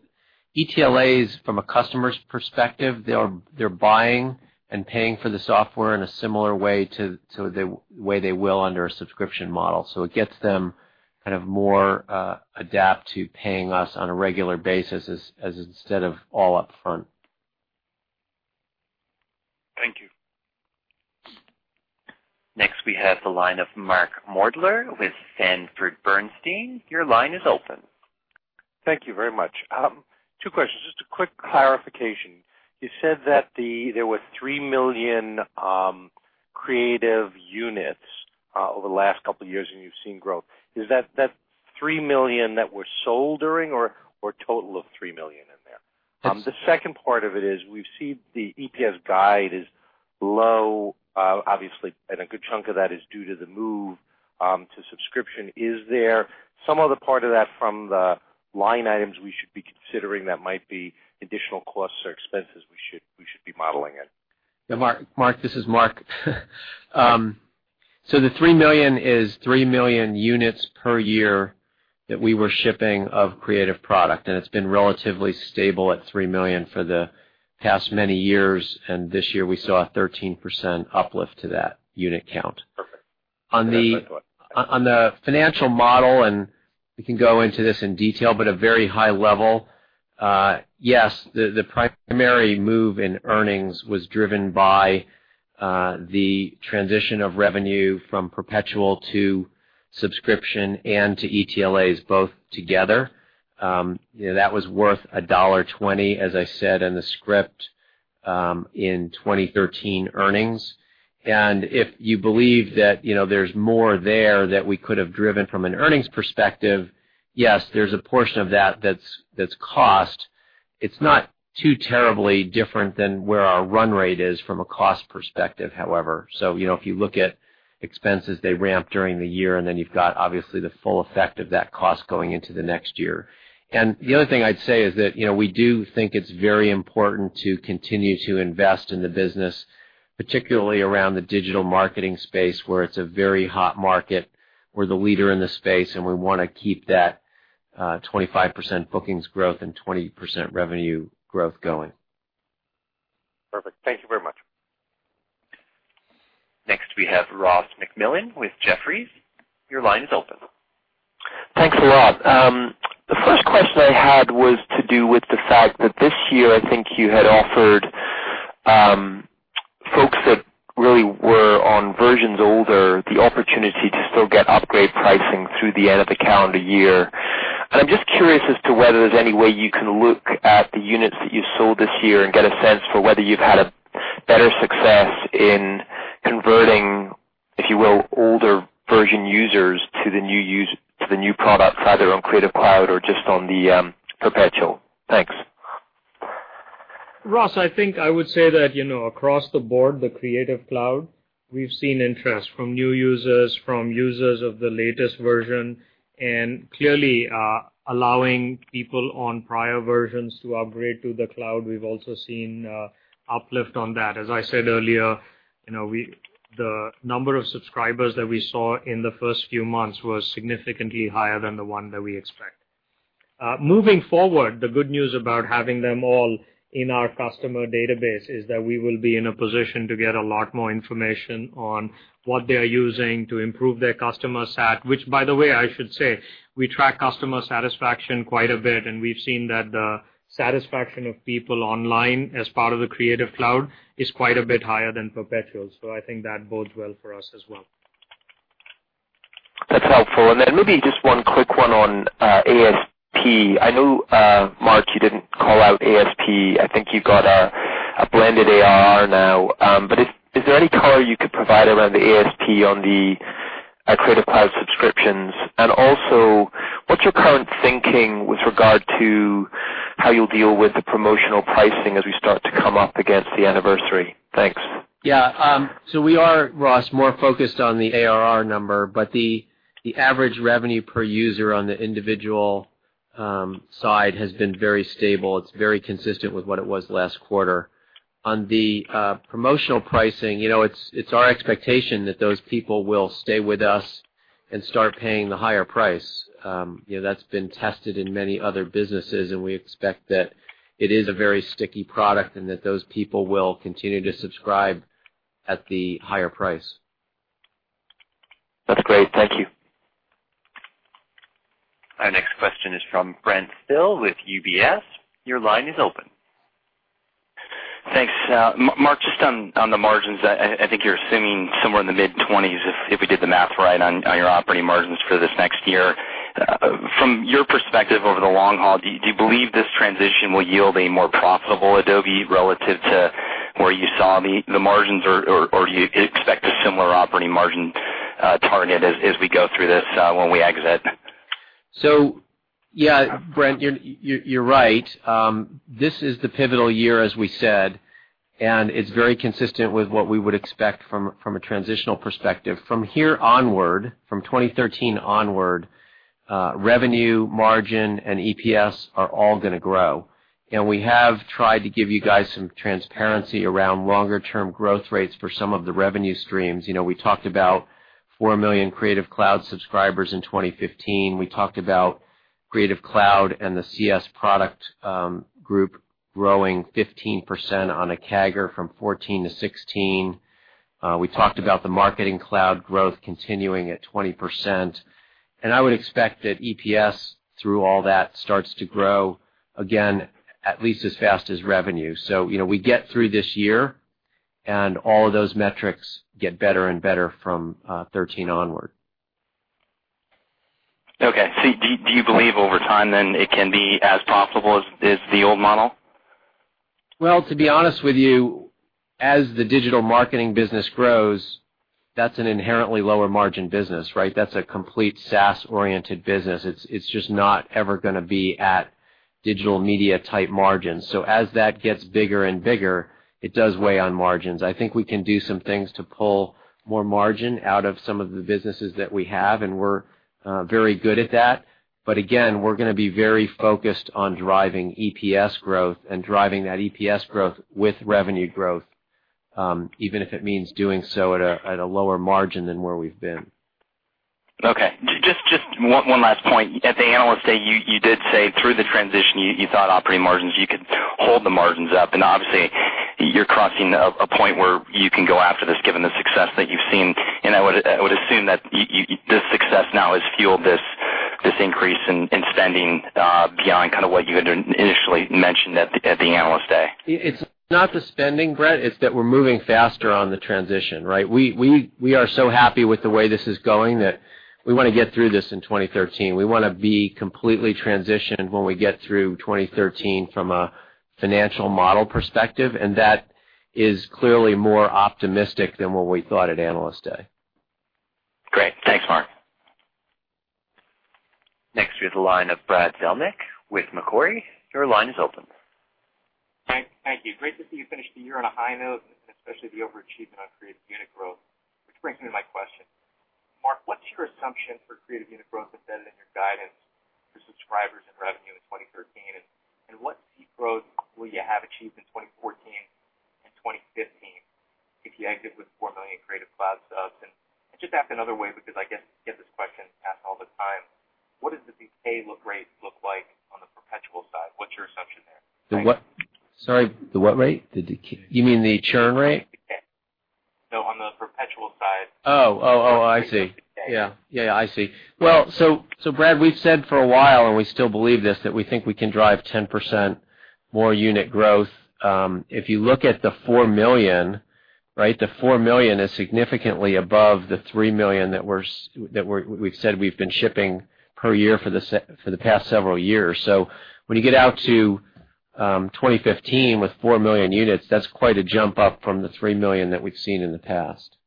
ETLAs from a customer's perspective, they're buying and paying for the software in a similar way to the way they will under a subscription model. It gets them. Kind of more adept to paying us on a regular basis instead of all up front. Thank you. Next, we have the line of Mark Moerdler with Sanford Bernstein. Your line is open. Thank you very much. Two questions. Just a quick clarification. You said that there were 3 million creative units over the last couple of years, you've seen growth. Is that 3 million that were sold during or a total of 3 million in there? The second part of it is, we've seen the EPS guide is low, obviously, a good chunk of that is due to the move to subscription. Is there some other part of that from the line items we should be considering that might be additional costs or expenses we should be modeling in? Yeah, Mark. This is Mark. The 3 million is 3 million units per year that we were shipping of creative product, it's been relatively stable at 3 million for the past many years. This year we saw a 13% uplift to that unit count. Perfect. On the financial model, and we can go into this in detail, but a very high level. Yes, the primary move in earnings was driven by the transition of revenue from perpetual to subscription and to ETLAs, both together. That was worth $1.20, as I said in the script, in 2013 earnings. If you believe that there's more there that we could have driven from an earnings perspective, yes, there's a portion of that's cost. It's not too terribly different than where our run rate is from a cost perspective, however. If you look at expenses, they ramp during the year, and then you've got obviously the full effect of that cost going into the next year. The other thing I'd say is that we do think it's very important to continue to invest in the business, particularly around the digital marketing space, where it's a very hot market. We're the leader in the space, and we want to keep that 25% bookings growth and 20% revenue growth going. Perfect. Thank you very much. Next we have Ross MacMillan with Jefferies. Your line is open. Thanks a lot. The first question I had was to do with the fact that this year I think you had offered folks that really were on versions older, the opportunity to still get upgrade pricing through the end of the calendar year. I'm just curious as to whether there's any way you can look at the units that you sold this year and get a sense for whether you've had a better success in converting, if you will, older version users to the new product, either on Creative Cloud or just on the perpetual. Thanks. Ross, I think I would say that, across the board, the Creative Cloud, we've seen interest from new users, from users of the latest version, and clearly, allowing people on prior versions to upgrade to the cloud, we've also seen uplift on that. As I said earlier, the number of subscribers that we saw in the first few months was significantly higher than the one that we expect. Moving forward, the good news about having them all in our customer database is that we will be in a position to get a lot more information on what they're using to improve their customer sat, which by the way, I should say, we track customer satisfaction quite a bit, and we've seen that the satisfaction of people online as part of the Creative Cloud is quite a bit higher than perpetual. I think that bodes well for us as well. That's helpful. Then maybe just one quick one on ASP. I know, Mark, you didn't call out ASP. I think you got a blended ARR now. Is there any color you could provide around the ASP on the Creative Cloud subscriptions? Also, what's your current thinking with regard to how you'll deal with the promotional pricing as we start to come up against the anniversary? Thanks. Yeah. We are, Ross, more focused on the ARR number, but the average revenue per user on the individual side has been very stable. It's very consistent with what it was last quarter. On the promotional pricing, it's our expectation that those people will stay with us and start paying the higher price. That's been tested in many other businesses, we expect that it is a very sticky product and that those people will continue to subscribe at the higher price. That's great. Thank you. Our next question is from Brent Thill with UBS. Your line is open. Thanks. Mark, just on the margins, I think you're assuming somewhere in the mid-20s, if we did the math right, on your operating margins for this next year. From your perspective over the long haul, do you believe this transition will yield a more profitable Adobe relative to where you saw the margins, or do you expect a similar operating margin target as we go through this when we exit? Yeah, Brent, you're right. This is the pivotal year, as we said, and it's very consistent with what we would expect from a transitional perspective. From here onward, from 2013 onward, revenue, margin, and EPS are all going to grow. We have tried to give you guys some transparency around longer-term growth rates for some of the revenue streams. We talked about 4 million Creative Cloud subscribers in 2015. We talked about Creative Cloud and the CS product group growing 15% on a CAGR from 2014 to 2016. We talked about the Marketing Cloud growth continuing at 20%, and I would expect that EPS, through all that, starts to grow again at least as fast as revenue. We get through this year, and all of those metrics get better and better from 2013 onward. Okay. Do you believe over time, then, it can be as profitable as the old model? To be honest with you, as the digital marketing business grows, that's an inherently lower margin business, right? That's a complete SaaS-oriented business. It's just not ever going to be at digital media-type margins. So as that gets bigger and bigger, it does weigh on margins. I think we can do some things to pull more margin out of some of the businesses that we have, and we're very good at that. Again, we're going to be very focused on driving EPS growth and driving that EPS growth with revenue growth, even if it means doing so at a lower margin than where we've been. Just one last point. At the Analyst Day, you did say through the transition, you thought operating margins, you could hold the margins up, and obviously, you're crossing a point where you can go after this given the success that you've seen, and I would assume that this success now has fueled this increase in spending beyond kind of what you had initially mentioned at the Analyst Day. It's not the spending, Brent. It's that we're moving faster on the transition, right? We are so happy with the way this is going that we want to get through this in 2013. We want to be completely transitioned when we get through 2013 from a financial model perspective, and that is clearly more optimistic than what we thought at Analyst Day. Great. Thanks, Mark. Next, we have the line of Brad Zelnick with Macquarie. Your line is open. Thank you. Great to see you finish the year on a high note, and especially the overachievement on creative unit growth, which brings me to my question. Mark, what's your assumption for creative unit growth embedded in your guidance for subscribers and revenue in 2013? What peak growth will you have achieved in 2014 and 2015 if you exit with 4 million Creative Cloud subs? Just asked another way, because I guess you get this question asked all the time, what does the decay rate look like on the perpetual side? What's your assumption there? Sorry, the what rate? You mean the churn rate? No, on the perpetual side. Oh, I see. Yeah, I see. Brad, we've said for a while, and we still believe this, that we think we can drive 10% more unit growth. If you look at the 4 million, the 4 million is significantly above the 3 million that we've said we've been shipping per year for the past several years. When you get out to 2015 with 4 million units, that's quite a jump up from the 3 million that we've seen in the past.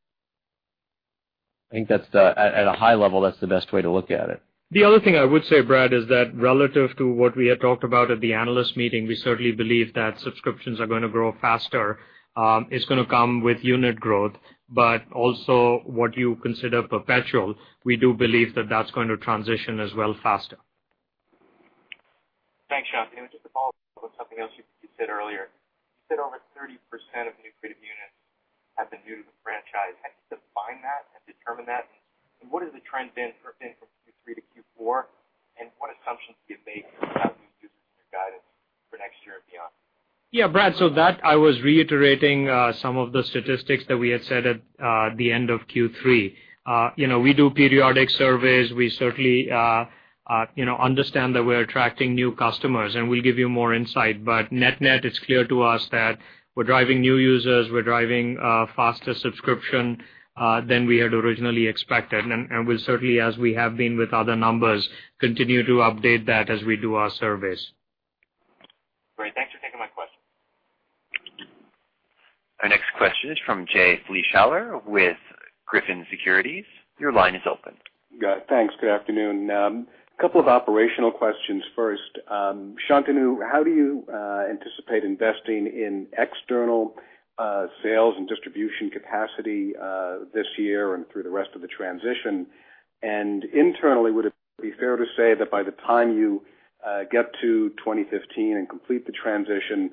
I think at a high level, that's the best way to look at it. The other thing I would say, Brad, is that relative to what we had talked about at the analyst meeting, we certainly believe that subscriptions are going to grow faster. It's going to come with unit growth, but also what you consider perpetual, we do believe that that's going to transition as well faster. Thanks, Shantanu. Just to follow up on something else you said earlier, you said over 30% of new creative units have been new to the franchise. How do you define that and determine that? What has the trend been from Q3 to Q4, and what assumptions do you make about new users in your guidance for next year and beyond? Brad, that I was reiterating some of the statistics that we had said at the end of Q3. We do periodic surveys. We certainly understand that we're attracting new customers, and we'll give you more insight. Net-net, it's clear to us that we're driving new users, we're driving faster subscription than we had originally expected. We'll certainly, as we have been with other numbers, continue to update that as we do our surveys. Great. Thanks for taking my question. Our next question is from Jay Vleeschhouwer with Griffin Securities. Your line is open. Thanks. Good afternoon. A couple of operational questions first. Shantanu, how do you anticipate investing in external sales and distribution capacity this year and through the rest of the transition? Internally, would it be fair to say that by the time you get to 2015 and complete the transition,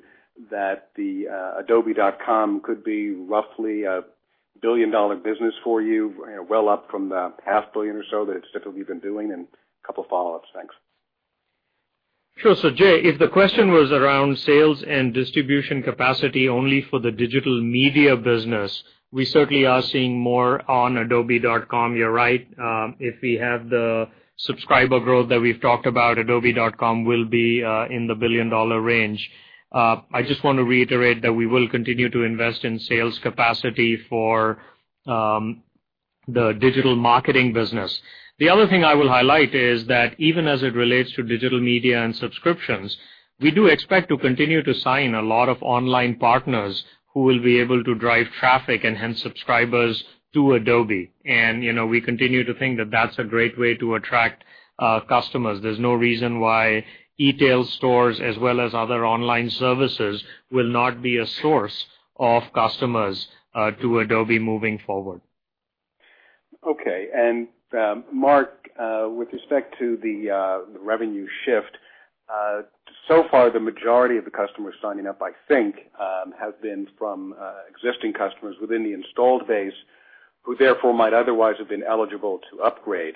that the adobe.com could be roughly a billion-dollar business for you, well up from the half billion or so that it's typically been doing? A couple of follow-ups. Thanks. Sure. Jay, if the question was around sales and distribution capacity only for the digital media business, we certainly are seeing more on adobe.com. You're right. If we have the subscriber growth that we've talked about, adobe.com will be in the billion-dollar range. I just want to reiterate that we will continue to invest in sales capacity for the digital marketing business. The other thing I will highlight is that even as it relates to digital media and subscriptions, we do expect to continue to sign a lot of online partners who will be able to drive traffic and hence subscribers to Adobe. We continue to think that that's a great way to attract customers. There's no reason why e-tail stores as well as other online services will not be a source of customers to Adobe moving forward. Okay. Mark, with respect to the revenue shift, so far, the majority of the customers signing up, I think, have been from existing customers within the installed base. Who therefore might otherwise have been eligible to upgrade.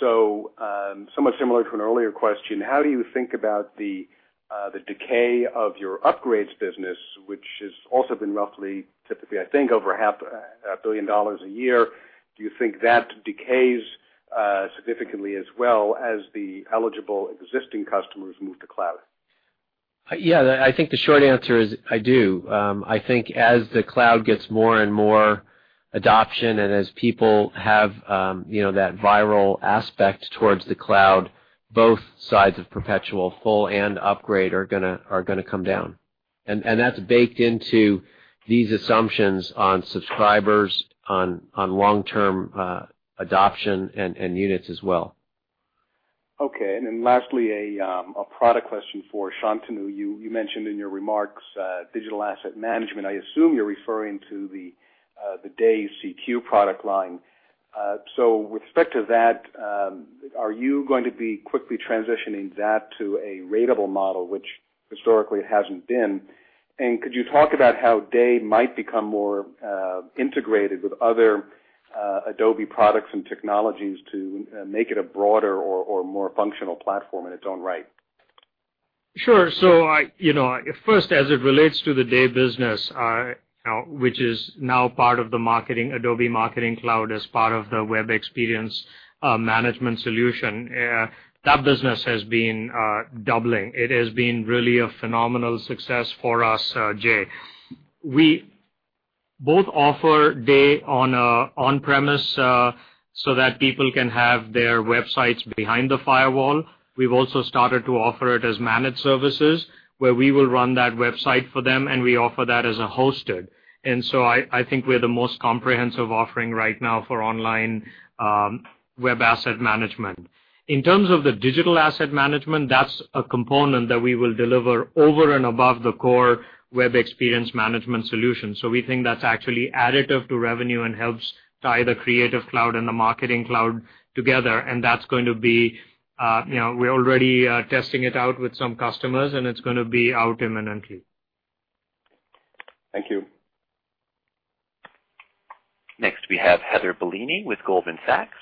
Somewhat similar to an earlier question, how do you think about the decay of your upgrades business, which has also been roughly, typically, I think, over half a billion dollars a year? Do you think that decays significantly as well as the eligible existing customers move to cloud? Yeah, I think the short answer is I do. I think as the cloud gets more and more adoption and as people have that viral aspect towards the cloud, both sides of perpetual full and upgrade are going to come down. That's baked into these assumptions on subscribers, on long-term adoption, and units as well. Okay, then lastly, a product question for Shantanu. You mentioned in your remarks digital asset management. I assume you're referring to the Day CQ product line. With respect to that, are you going to be quickly transitioning that to a ratable model, which historically it hasn't been? Could you talk about how Day might become more integrated with other Adobe products and technologies to make it a broader or more functional platform in its own right? Sure. First, as it relates to the Day business, which is now part of the Adobe Marketing Cloud as part of the Web Experience Management solution, that business has been doubling. It has been really a phenomenal success for us, Jay. We both offer Day on-premise so that people can have their websites behind the firewall. We've also started to offer it as managed services, where we will run that website for them, and we offer that as a hosted. I think we're the most comprehensive offering right now for online web asset management. In terms of the digital asset management, that's a component that we will deliver over and above the core Web Experience Management solution. We think that's actually additive to revenue and helps tie the Creative Cloud and the Marketing Cloud together. We're already testing it out with some customers, and it's going to be out imminently. Thank you. Next, we have Heather Bellini with Goldman Sachs.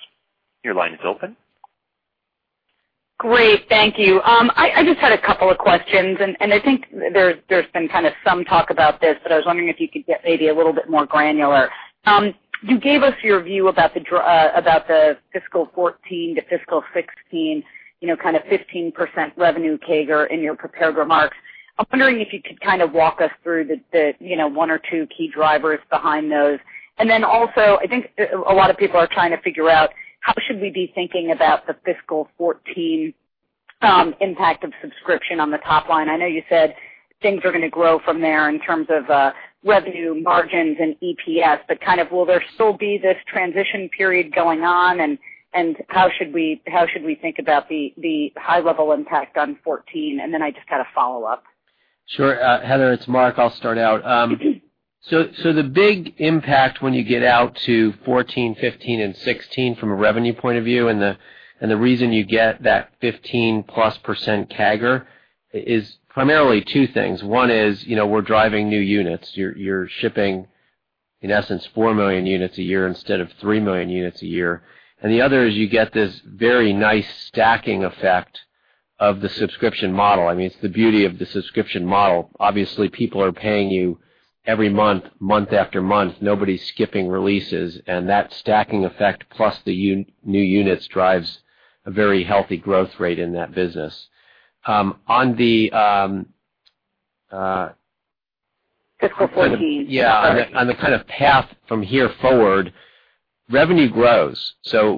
Your line is open. Great. Thank you. I just had a couple of questions. I think there's been kind of some talk about this, but I was wondering if you could get maybe a little bit more granular. You gave us your view about the fiscal 2014 to fiscal 2016, 15% revenue CAGR in your prepared remarks. I'm wondering if you could kind of walk us through the one or two key drivers behind those. Also, I think a lot of people are trying to figure out how should we be thinking about the fiscal 2014 impact of subscription on the top line. I know you said things are going to grow from there in terms of revenue margins and EPS, but will there still be this transition period going on and how should we think about the high-level impact on 2014? I just had a follow-up. Sure. Heather, it's Mark. I'll start out. The big impact when you get out to 2014, 2015, and 2016 from a revenue point of view, and the reason you get that 15%+ CAGR is primarily two things. One is, we're driving new units. You're shipping, in essence, 4 million units a year instead of 3 million units a year. The other is you get this very nice stacking effect of the subscription model. It's the beauty of the subscription model. Obviously, people are paying you every month after month. Nobody's skipping releases. That stacking effect, plus the new units, drives a very healthy growth rate in that business. On the- Fiscal 2014. Yeah. On the kind of path from here forward, revenue grows.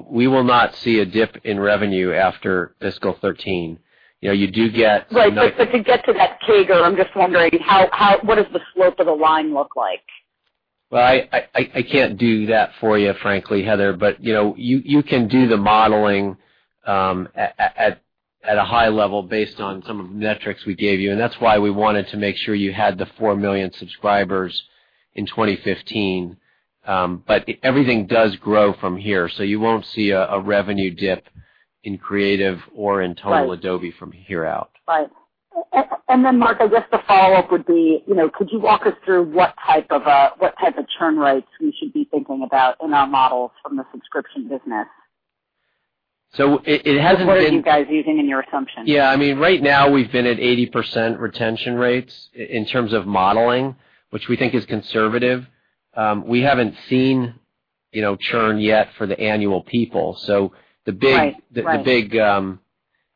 We will not see a dip in revenue after fiscal 2013. You do get- Right. To get to that CAGR, I'm just wondering what does the slope of the line look like? Well, I can't do that for you, frankly, Heather. You can do the modeling at a high level based on some of the metrics we gave you, and that's why we wanted to make sure you had the 4 million subscribers in 2015. Everything does grow from here, so you won't see a revenue dip in Creative or in total Adobe from here out. Right. Then Mark, I guess the follow-up would be, could you walk us through what type of churn rates we should be thinking about in our models from the subscription business? It hasn't been What are you guys using in your assumptions? Yeah, right now we've been at 80% retention rates in terms of modeling, which we think is conservative. We haven't seen churn yet for the annual people. Right. The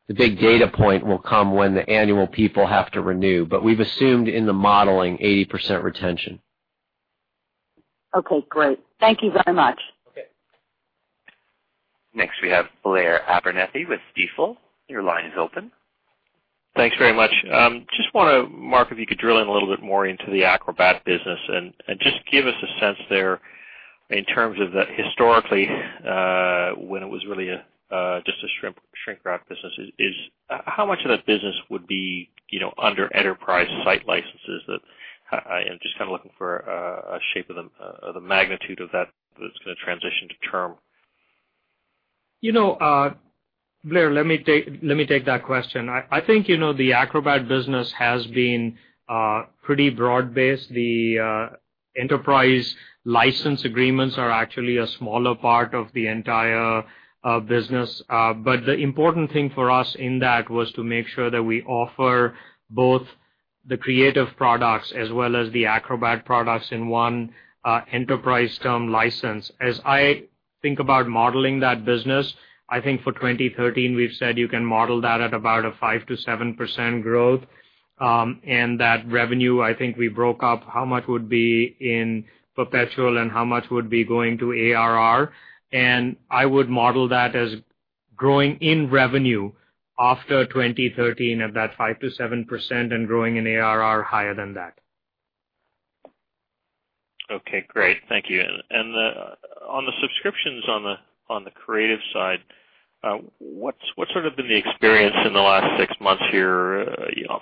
big data point will come when the annual people have to renew. We've assumed in the modeling 80% retention. Okay, great. Thank you very much. Okay. Next, we have Blair Abernethy with Stifel. Your line is open. Thanks very much. Just want to, Mark, if you could drill in a little bit more into the Acrobat business and just give us a sense there in terms of the historically, when it was really just a shrink wrap business, how much of that business would be under enterprise site licenses? I am just kind of looking for a shape of the magnitude of that that's going to transition to term. Blair, let me take that question. I think the Acrobat business has been pretty broad-based. The enterprise license agreements are actually a smaller part of the entire business. The important thing for us in that was to make sure that we offer both the Creative products as well as the Acrobat products in one enterprise term license. As I think about modeling that business, I think for 2013, we've said you can model that at about a 5%-7% growth. That revenue, I think we broke up how much would be in perpetual and how much would be going to ARR. I would model that as growing in revenue after 2013 at that 5%-7% and growing in ARR higher than that. Okay, great. Thank you. On the subscriptions on the Creative side, what's been the experience in the last six months here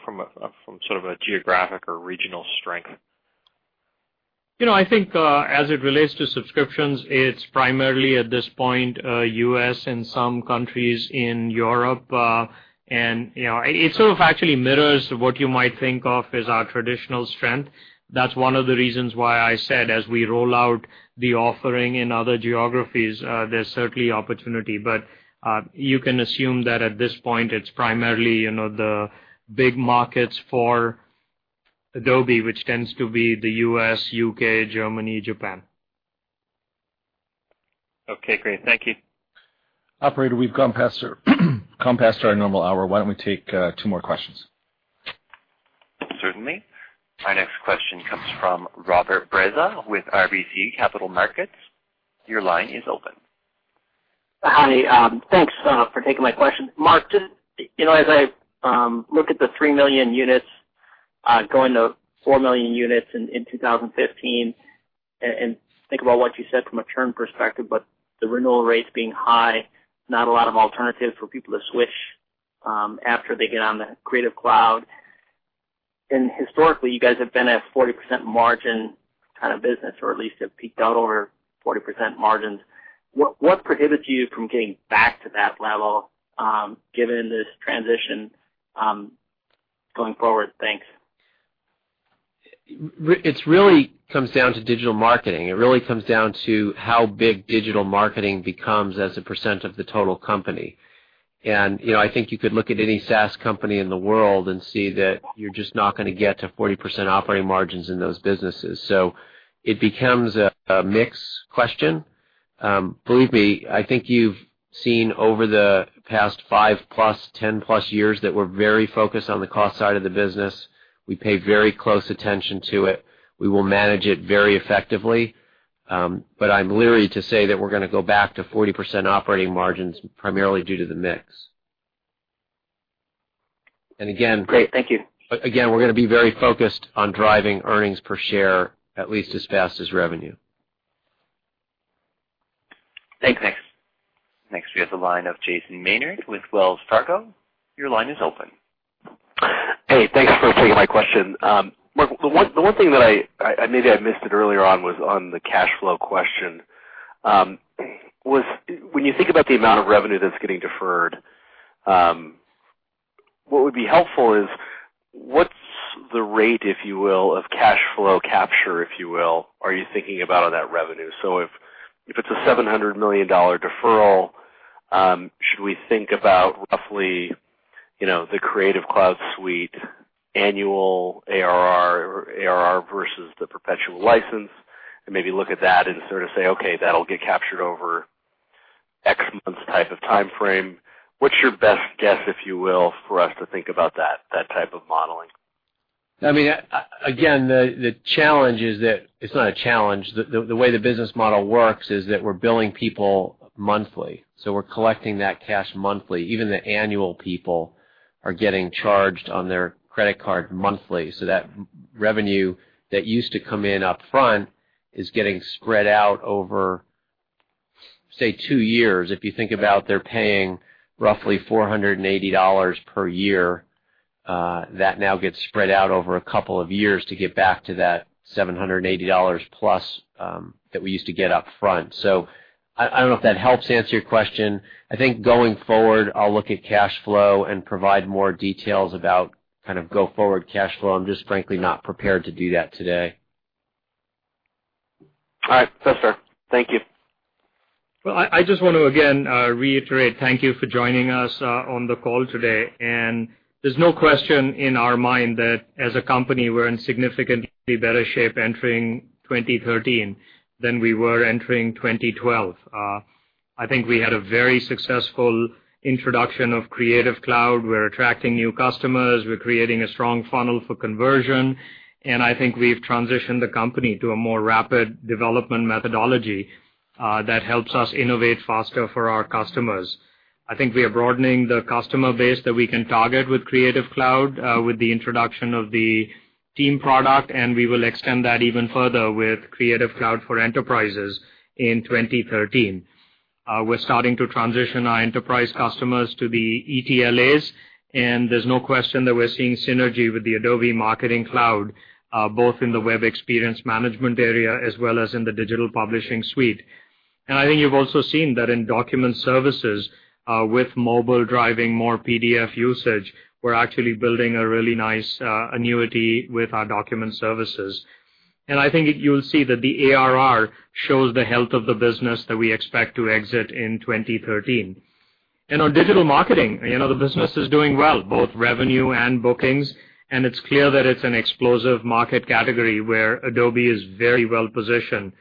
from a geographic or regional strength? I think, as it relates to subscriptions, it's primarily, at this point, U.S. and some countries in Europe. It sort of actually mirrors what you might think of as our traditional strength. That's one of the reasons why I said as we roll out the offering in other geographies, there's certainly opportunity. You can assume that at this point, it's primarily the big markets for Adobe, which tends to be the U.S., U.K., Germany, Japan. Okay, great. Thank you. Operator, we've gone past our normal hour. Why don't we take two more questions? Certainly. Our next question comes from Robert Breza with RBC Capital Markets. Your line is open. Hi, thanks for taking my question. Mark, just as I look at the 3 million units going to 4 million units in 2015, and think about what you said from a churn perspective, but the renewal rates being high, not a lot of alternatives for people to switch after they get on the Creative Cloud. Historically, you guys have been a 40% margin kind of business, or at least have peaked out over 40% margins. What prohibits you from getting back to that level given this transition going forward? Thanks. It really comes down to digital marketing. It really comes down to how big digital marketing becomes as a percent of the total company. I think you could look at any SaaS company in the world and see that you're just not going to get to 40% operating margins in those businesses. It becomes a mix question. Believe me, I think you've seen over the past 5-plus, 10-plus years, that we're very focused on the cost side of the business. We pay very close attention to it. We will manage it very effectively. I'm leery to say that we're going to go back to 40% operating margins, primarily due to the mix. Great. Thank you. Again, we're going to be very focused on driving earnings per share at least as fast as revenue. Thanks. We have the line of Jason Maynard with Wells Fargo. Your line is open. Hey, thanks for taking my question. Mark, the one thing that maybe I missed earlier on was on the cash flow question. When you think about the amount of revenue that's getting deferred, what would be helpful is what's the rate, if you will, of cash flow capture, if you will, are you thinking about on that revenue? If it's a $700 million deferral, should we think about roughly the Creative Cloud suite annual ARR versus the perpetual license and maybe look at that and sort of say, "Okay, that'll get captured over X months type of timeframe." What's your best guess, if you will, for us to think about that type of modeling? The challenge is that, it's not a challenge, the way the business model works is that we're billing people monthly. We're collecting that cash monthly. Even the annual people are getting charged on their credit card monthly. That revenue that used to come in upfront is getting spread out over, say, two years. If you think about they're paying roughly $480 per year, that now gets spread out over a couple of years to get back to that $780 plus that we used to get upfront. I don't know if that helps answer your question. I think going forward, I'll look at cash flow and provide more details about kind of go-forward cash flow. I'm just frankly not prepared to do that today. All right. That's fair. Thank you. Well, I just want to again reiterate thank you for joining us on the call today. There's no question in our mind that as a company, we're in significantly better shape entering 2013 than we were entering 2012. I think we had a very successful introduction of Creative Cloud. We're attracting new customers. We're creating a strong funnel for conversion, I think we've transitioned the company to a more rapid development methodology that helps us innovate faster for our customers. I think we are broadening the customer base that we can target with Creative Cloud with the introduction of the Team product, we will extend that even further with Creative Cloud for enterprise in 2013. We're starting to transition our enterprise customers to the ETLAs, there's no question that we're seeing synergy with the Adobe Marketing Cloud, both in the Web Experience Management area as well as in the Digital Publishing Suite. I think you've also seen that in document services with mobile driving more PDF usage, we're actually building a really nice annuity with our document services. I think you'll see that the ARR shows the health of the business that we expect to exit in 2013. On digital marketing, the business is doing well, both revenue and bookings, it's clear that it's an explosive market category where Adobe is very well-positioned.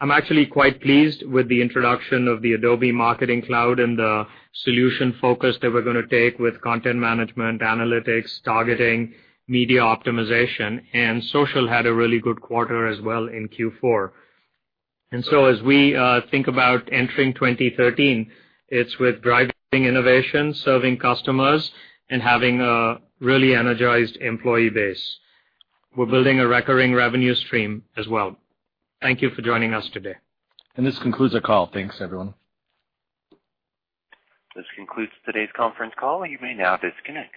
I'm actually quite pleased with the introduction of the Adobe Marketing Cloud and the solution focus that we're going to take with content management, analytics, targeting, media optimization, social had a really good quarter as well in Q4. As we think about entering 2013, it's with driving innovation, serving customers, having a really energized employee base. We're building a recurring revenue stream as well. Thank you for joining us today. This concludes our call. Thanks, everyone. This concludes today's conference call. You may now disconnect.